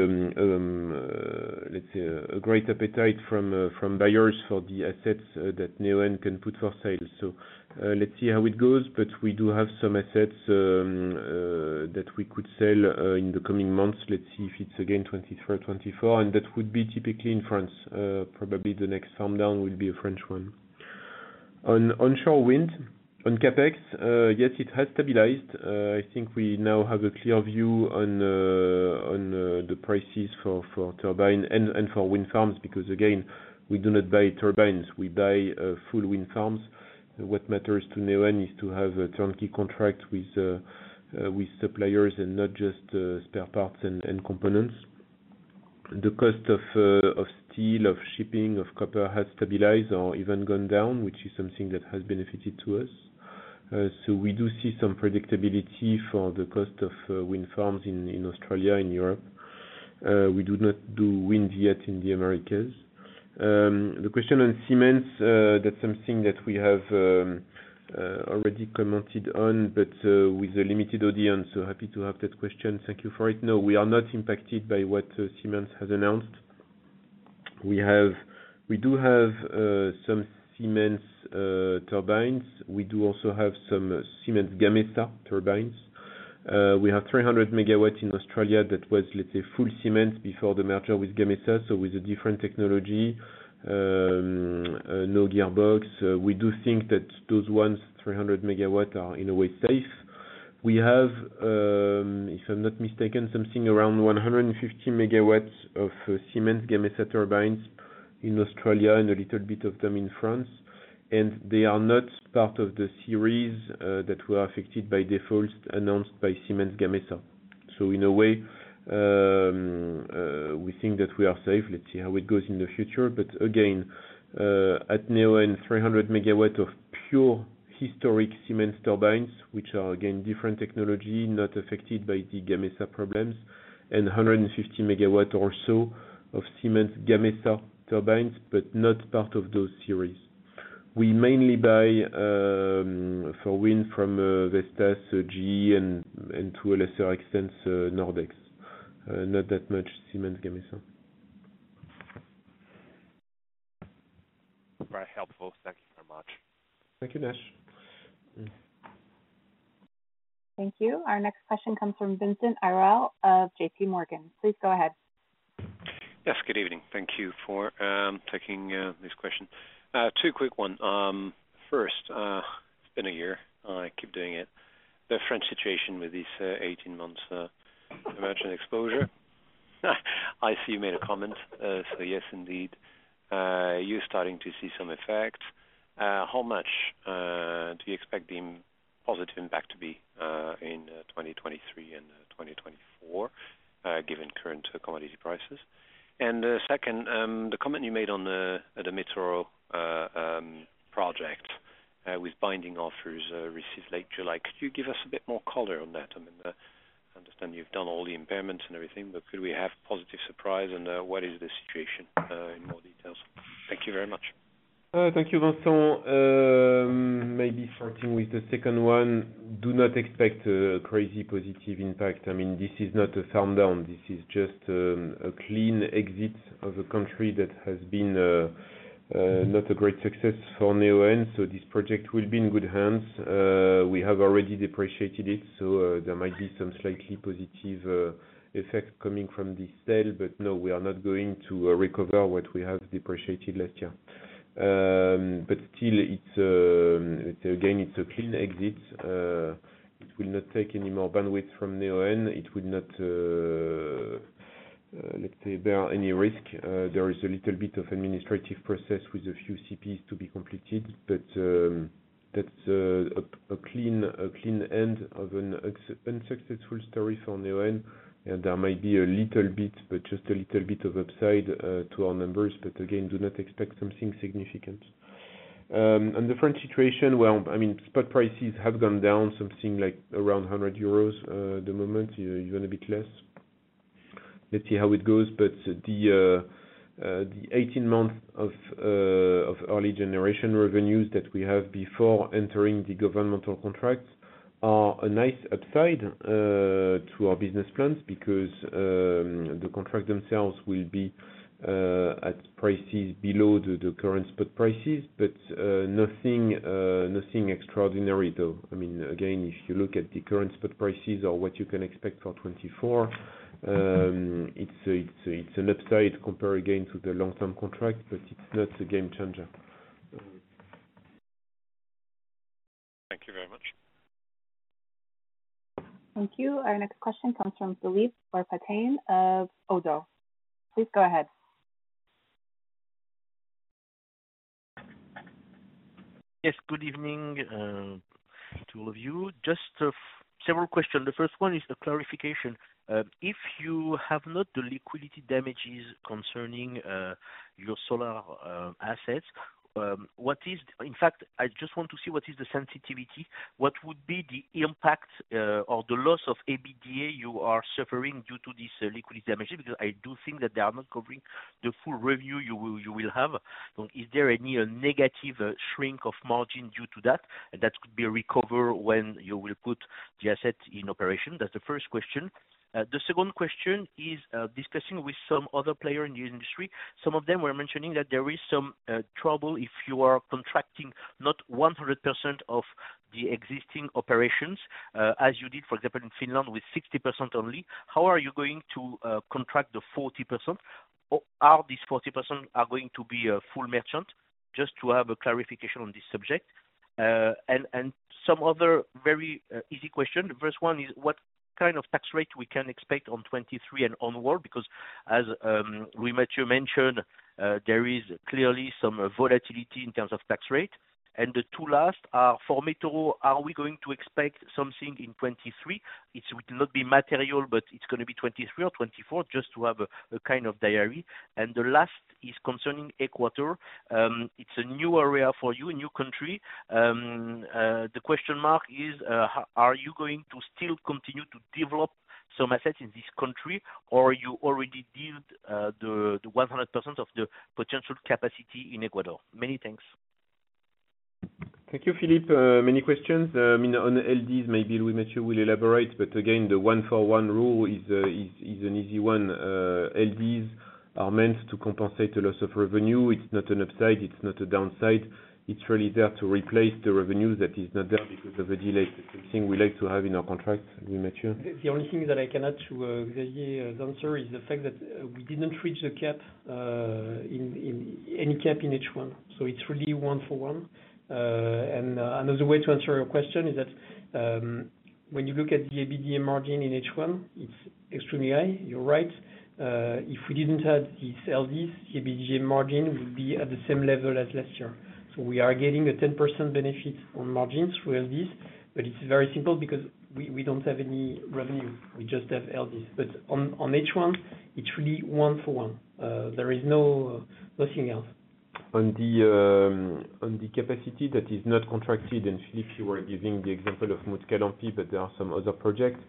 let's say a great appetite from buyers for the assets that Neoen can put for sale. Let's see how it goes, but we do have some assets that we could sell in the coming months. Let's see if it's again 23 or 24, that would be typically in France. Probably the next farm down will be a French one. Onshore wind, on CapEx, yes, it has stabilized. I think we now have a clear view on the prices for turbine and for wind farms, because again, we do not buy turbines. We buy full wind farms. What matters to Neoen is to have a turnkey contract with suppliers and not just spare parts and components. The cost of steel, of shipping, of copper has stabilized or even gone down, which is something that has benefited to us. So we do see some predictability for the cost of wind farms in Australia, in Europe. We do not do wind yet in the Americas. The question on Siemens, that's something that we have already commented on, but with a limited audience, so happy to have that question. Thank you for it. No, we are not impacted by what Siemens has announced. We do have some Siemens turbines. We do also have some Siemens Gamesa turbines. We have 300 MW in Australia. That was, let's say, full Siemens before the merger with Gamesa, so with a different technology, no gearbox. We do think that those ones, 300 MW, are, in a way, safe. We have, if I'm not mistaken, something around 150 MW of Siemens Gamesa turbines in Australia, and a little bit of them in France. They are not part of the series that were affected by defaults announced by Siemens Gamesa. In a way, we think that we are safe. Let's see how it goes in the future. Again, at Neoen, 300 MW of pure historic Siemens turbines, which are, again, different technology, not affected by the Gamesa problems, and 150 MW or so of Siemens Gamesa turbines, but not part of those series. We mainly buy for wind from Vestas, GE and to a lesser extent, Nordex. Not that much Siemens Gamesa. Very helpful. Thank you so much. Thank you, Nash. Thank you. Our next question comes from Vincent Ayral of JP Morgan. Please go ahead. Yes, good evening. Thank you for taking this question. Two quick one. First, it's been a year, I keep doing it. The French situation with this 18 months commercial exposure. I see you made a comment. Yes, indeed, you're starting to see some effect. How much do you expect the positive impact to be in 2023 and 2024 given current commodity prices? Second, the comment you made on the Metro project with binding offers received late July. Could you give us a bit more color on that? I mean, I understand you've done all the impairments and everything, could we have positive surprise? What is the situation in more details? Thank you very much. Thank you, Vincent. Maybe starting with the second one, do not expect a crazy positive impact. I mean, this is not a shutdown. This is just a clean exit of a country that has been not a great success for Neoen, so this project will be in good hands. We have already depreciated it, so there might be some slightly positive effects coming from this sale, but no, we are not going to recover what we have depreciated last year. Still, it's again, it's a clean exit. It will not take any more bandwidth from Neoen. It will not, let's say, bear any risk. There is a little bit of administrative process with a few CPs to be completed, but that's a clean end of an unsuccessful story for Neoen. There might be a little bit, but just a little bit of upside to our numbers. Again, do not expect something significant. The French situation, well, I mean, spot prices have gone down something like around 100 euros at the moment, even a bit less. Let's see how it goes. The 18 months of early generation revenues that we have before entering the governmental contracts are a nice upside to our business plans, because the contract themselves will be at prices below the current spot prices. Nothing extraordinary, though. I mean, again, if you look at the current spot prices or what you can expect for 2024, it's an upside compare, again, to the long-term contract, but it's not a game changer. Thank you very much. Thank you. Our next question comes from Philippe Ourpatian of Oddo. Please go ahead. Yes, good evening to all of you. Just several questions. The first one is a clarification. If you have not the liquidated damages concerning your solar assets, what is. In fact, I just want to see what is the sensitivity. What would be the impact or the loss of EBITDA you are suffering due to this liquidated damage? Because I do think that they are not covering the full Revenue you will, you will have. Is there any negative shrink of margin due to that, and that could be recovered when you will put the asset in operation? That's the first question. The second question is discussing with some other player in the industry. Some of them were mentioning that there is some trouble if you are contracting, not 100% of. The existing operations, as you did, for example, in Finland with 60% only, how are you going to contract the 40%? Are these 40% going to be a full merchant? Just to have a clarification on this subject. Some other very easy question. First one is, what kind of tax rate we can expect on 2023 and onward? Because as Louis-Mathieu mentioned, there is clearly some volatility in terms of tax rate. The two last are, for Metoro, are we going to expect something in 2023? It will not be material, but it's gonna be 2023 or 2024, just to have a kind of diary. The last is concerning Ecuador. It's a new area for you, a new country. The question mark is, are you going to still continue to develop some assets in this country, or you already dealt the 100% of the potential capacity in Ecuador? Many thanks. Thank you, Philippe. many questions. I mean, on LDs, maybe Louis-Mathieu will elaborate, but again, the one for one rule is an easy one. LDs are meant to compensate a loss of revenue. It's not an upside, it's not a downside. It's really there to replace the revenue that is not there because of a delay, something we like to have in our contract. Louis-Mathieu? The only thing that I can add to Xavier's answer is the fact that we didn't reach the cap in any cap in H1, so it's really one for one. Another way to answer your question is that when you look at the EBITDA margin in H1, it's extremely high. You're right. If we didn't have these LDs, EBITDA margin would be at the same level as last year. We are getting a 10% benefit on margins through LDs, but it's very simple because we don't have any revenue. We just have LDs. On H1, it's really one for one. There is nothing else. On the capacity that is not contracted, Philippe, you were giving the example of Mutkalampi, but there are some other projects.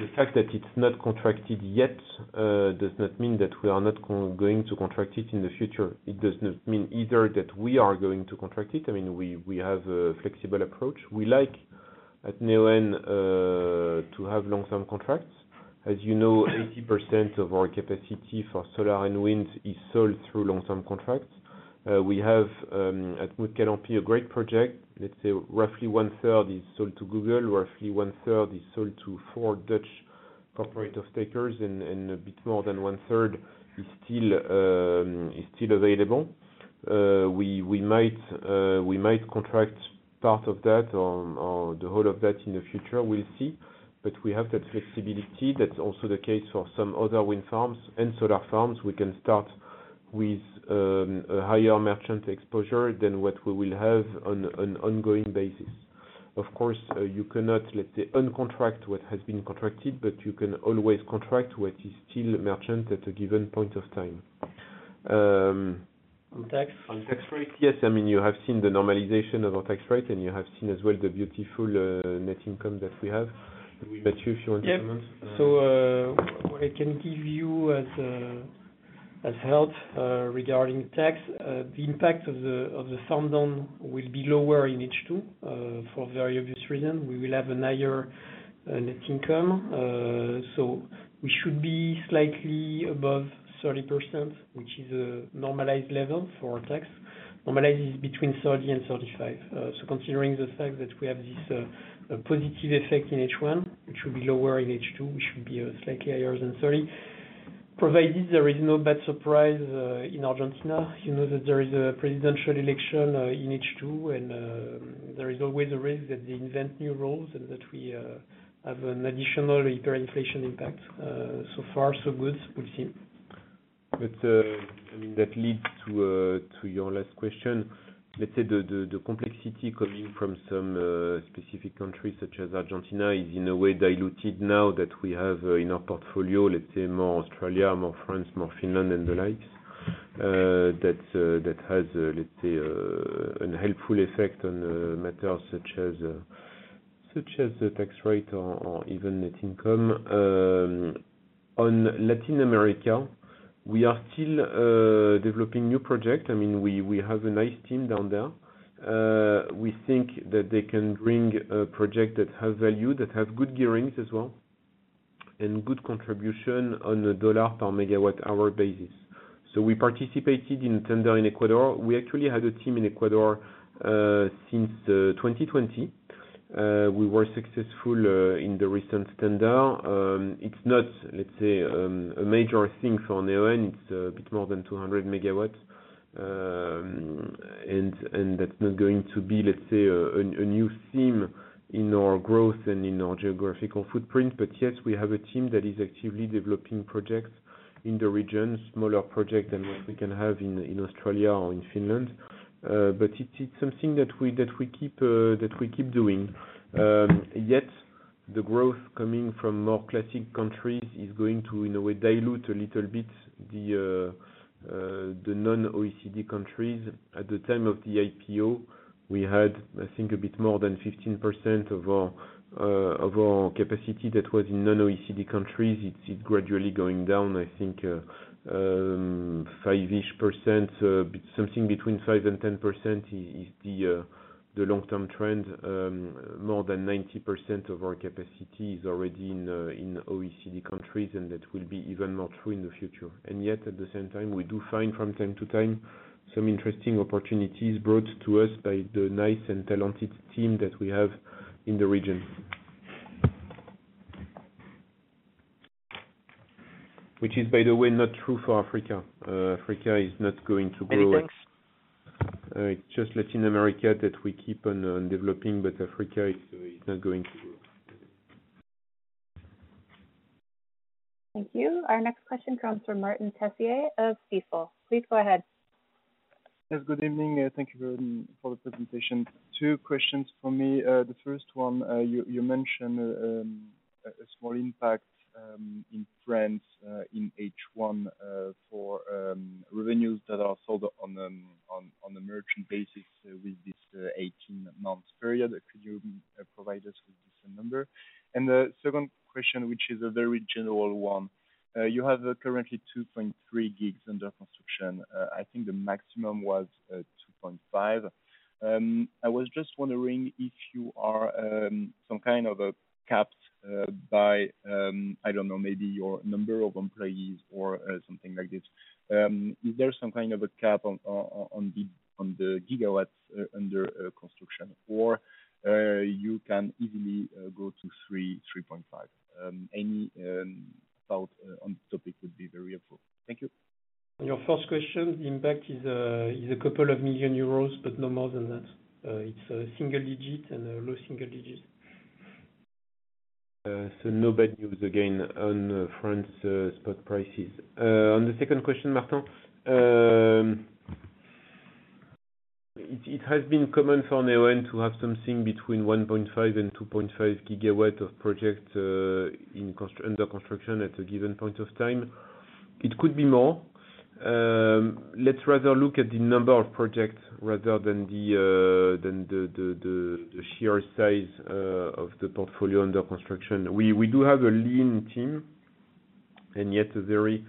The fact that it's not contracted yet, does not mean that we are not going to contract it in the future. It does not mean either that we are going to contract it. I mean, we have a flexible approach. We like, at Neoen, to have long-term contracts. As you know, 80% of our capacity for solar and wind is sold through long-term contracts. We have, at Mutkalampi, a great project. Let's say roughly one third is sold to Google, roughly one third is sold to four Dutch cooperative stakers, and a bit more than one third is still available. We might contract part of that or the whole of that in the future, we'll see. We have that flexibility. That's also the case for some other wind farms and solar farms. We can start with a higher merchant exposure than what we will have on an ongoing basis. Of course, you cannot, let's say, un-contract what has been contracted, but you can always contract what is still merchant at a given point of time. On tax? On tax rate, yes. I mean, you have seen the normalization of our tax rate, and you have seen as well the beautiful, net income that we have. Louis-Mathieu, if you want to comment. Yep. What I can give you as help regarding tax, the impact of the sundown will be lower in H2 for very obvious reason. We will have a higher net income, we should be slightly above 30%, which is a normalized level for tax. Normalized is between 30 and 35. Considering the fact that we have this a positive effect in H1, which will be lower in H2, which should be slightly higher than 30, provided there is no bad surprise in Argentina. You know, that there is a presidential election in H2, there is always a risk that they invent new rules and that we have an additional hyperinflation impact. So far, so good. We'll see. I mean, that leads to your last question. Let's say the complexity coming from some specific countries such as Argentina is in a way diluted now that we have in our portfolio, let's say more Australia, more France, more Finland and the likes. That has, let's say, an helpful effect on matters such as the tax rate or even net income. On Latin America, we are still developing new project. I mean, we have a nice team down there. We think that they can bring a project that have value, that have good gearing as well, and good contribution on a dollar per megawatt hour basis. We participated in tender in Ecuador. We actually had a team in Ecuador since 2020. We were successful in the recent tender. It's not, let's say, a major thing for Neoen. It's a bit more than 200 MW. That's not going to be, let's say, a new theme in our growth and in our geographical footprint. Yes, we have a team that is actively developing projects in the region, smaller project than what we can have in Australia or in Finland. But it's something that we keep doing. Yet, the growth coming from more classic countries is going to, in a way, dilute a little bit the non-OECD countries. At the time of the IPO, we had, I think, a bit more than 15% of our capacity that was in non-OECD countries. It's gradually going down, I think, 5-ish%, something between 5% and 10% is the long-term trend. More than 90% of our capacity is already in OECD countries, and that will be even more true in the future. Yet, at the same time, we do find from time to time, some interesting opportunities brought to us by the nice and talented team that we have in the region. Which is, by the way, not true for Africa. Africa is not going to grow. Many thanks. Just Latin America that we keep on developing, but Africa is not going to grow. Thank you. Our next question comes from Martin Tessier of Stifel. Please go ahead. Yes, good evening, thank you very for the presentation. Two questions for me. The first one, you mentioned a small impact in France in H1 for revenues that are sold on the merchant basis with this 18 months period. Could you provide us with this number? The second question, which is a very general one, you have currently 2.3 gigs under construction. I think the maximum was 2.5. I was just wondering if you are some kind of capped by I don't know, maybe your number of employees or something like this. Is there some kind of a cap on the gigawatts under construction? You can easily go to 3, 3.5? Any thought on topic would be very helpful. Thank you. Your first question, the impact is, is a couple of 1 million euros, but no more than that. It's a single digit and a low single digits. No bad news again on France spot prices. On the second question, Martin, it has been common for Neoen to have something between 1.5 and 2.5 GW of project under construction at a given point of time. It could be more. Let's rather look at the number of projects rather than the sheer size of the portfolio under construction. We do have a lean team, and yet a very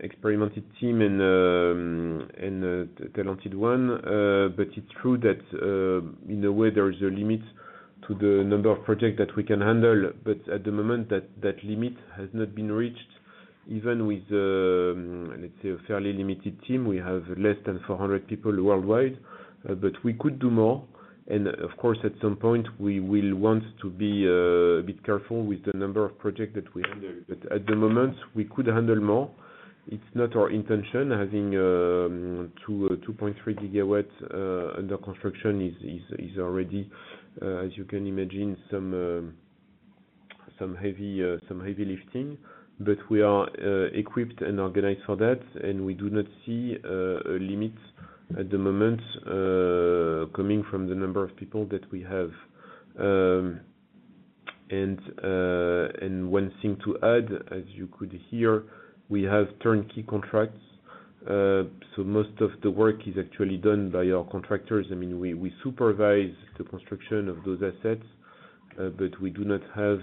experimented team and a talented one. It's true that in a way, there is a limit to the number of projects that we can handle, but at the moment that limit has not been reached. Even with, let's say a fairly limited team, we have less than 400 people worldwide, but we could do more. Of course, at some point we will want to be a bit careful with the number of projects that we handle. At the moment, we could handle more. It's not our intention, having 2.3 GW under construction is already, as you can imagine, some heavy, some heavy lifting. We are equipped and organized for that, and we do not see a limit at the moment, coming from the number of people that we have. One thing to add, as you could hear, we have turnkey contracts. Most of the work is actually done by our contractors. I mean, we supervise the construction of those assets, but we do not have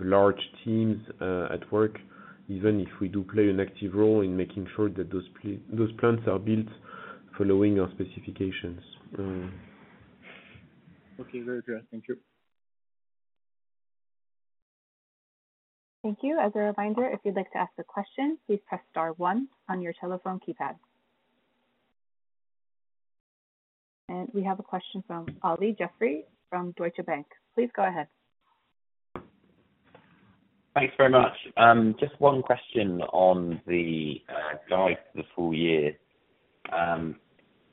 large teams at work, even if we do play an active role in making sure that those plants are built following our specifications. Okay, very clear. Thank you. Thank you. As a reminder, if you'd like to ask a question, please press star one on your telephone keypad. We have a question from Olly Jeffery, from Deutsche Bank. Please go ahead. Thanks very much. Just one question on the guide for the full year.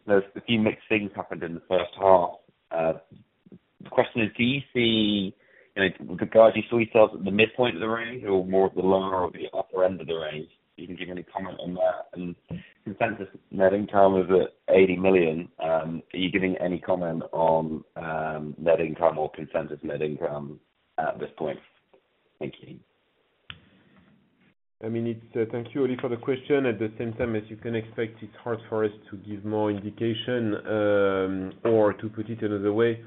There's a few mixed things happened in the first half. The question is, do you see, you know, the guide you saw at the midpoint of the range or more at the lower or the upper end of the range? You can give any comment on that. Consensus net income was at 80 million. Are you giving any comment on net income or consensus net income at this point? Thank you. I mean, it's. Thank you, Olly, for the question. At the same time, as you can expect, it's hard for us to give more indication, or to put it another way,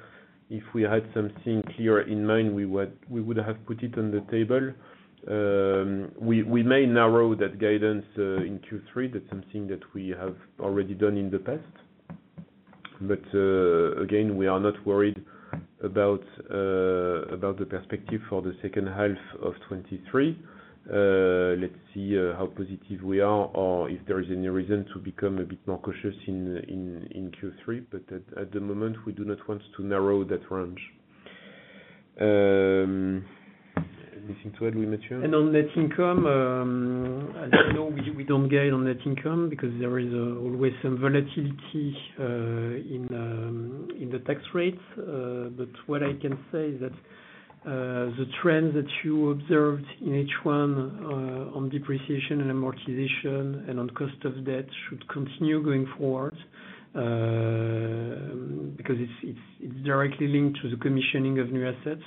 if we had something clear in mind, we would have put it on the table. We may narrow that guidance in Q3. That's something that we have already done in the past. Again, we are not worried about the perspective for the second half of 2023. Let's see how positive we are or if there is any reason to become a bit more cautious in Q3. At the moment, we do not want to narrow that range. Anything to add, Louis-Mathieu? On net income, as you know, we don't gain on net income because there is always some volatility in the tax rates. What I can say is that the trend that you observed in H1 on depreciation and amortization and on cost of debt should continue going forward because it's directly linked to the commissioning of new assets.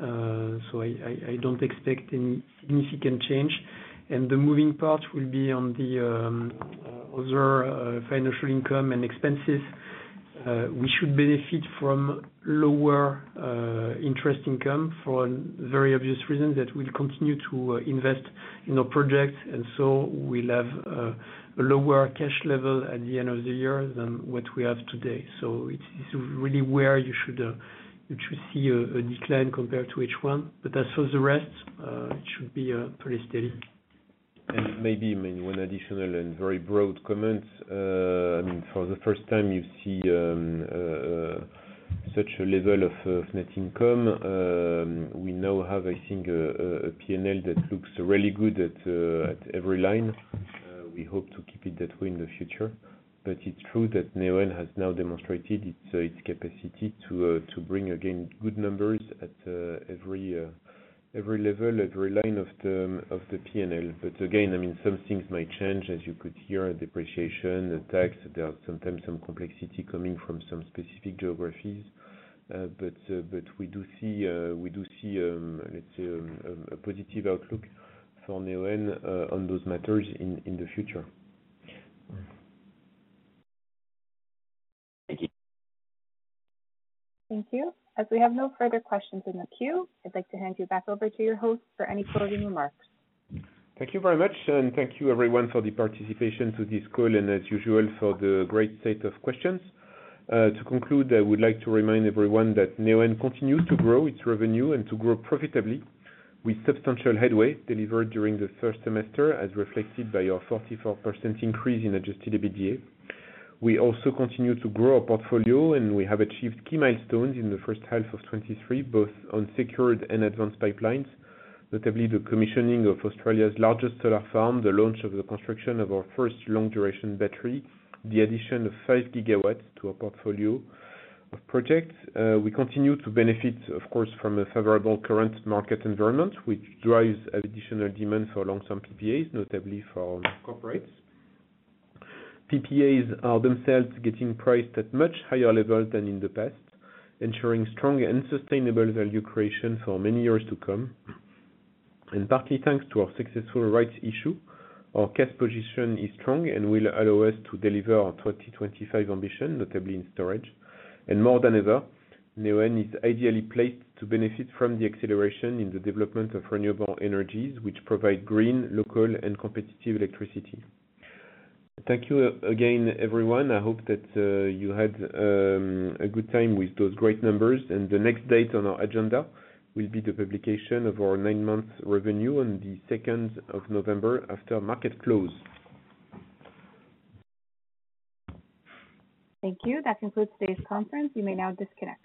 I don't expect any significant change, and the moving part will be on the other financial income and expenses. We should benefit from lower interest income for very obvious reasons, that we'll continue to invest in our projects, and so we'll have a lower cash level at the end of the year than what we have today. It's really where you should, you should see a decline compared to H1, but as for the rest, it should be pretty steady.... maybe one additional and very broad comment. I mean, for the first time, you see such a level of net income. We now have, I think, a PNL that looks really good at every line. We hope to keep it that way in the future. It's true that Neoen has now demonstrated its capacity to bring again, good numbers at every level, every line of the PNL. Again, I mean, some things might change, as you could hear, depreciation, the tax, there are sometimes some complexity coming from some specific geographies. We do see, let's say, a positive outlook for Neoen on those matters in the future. Thank you. Thank you. As we have no further questions in the queue, I'd like to hand you back over to your host for any closing remarks. Thank you very much, and thank you everyone for the participation to this call, and as usual, for the great set of questions. To conclude, I would like to remind everyone that Neoen continues to grow its Revenue and to grow profitably with substantial headway delivered during the first semester, as reflected by our 44% increase in adjusted EBITDA. We also continue to grow our portfolio, and we have achieved key milestones in the first half of 2023, both on secured and advanced pipelines, notably the commissioning of Australia's largest solar farm, the launch of the construction of our first long duration battery, the addition of 5 GW to our portfolio of projects. We continue to benefit, of course, from a favorable current market environment, which drives additional demand for long-term PPAs, notably for corporates. PPAs are themselves getting priced at much higher level than in the past, ensuring strong and sustainable value creation for many years to come. Partly, thanks to our successful rights issue, our cash position is strong and will allow us to deliver our 2025 ambition, notably in storage. More than ever, Neoen is ideally placed to benefit from the acceleration in the development of renewable energies, which provide green, local, and competitive electricity. Thank you again, everyone. I hope that you had a good time with those great numbers, and the next date on our agenda will be the publication of our 9-month revenue on the second of November, after market close. Thank you. That concludes today's conference. You may now disconnect.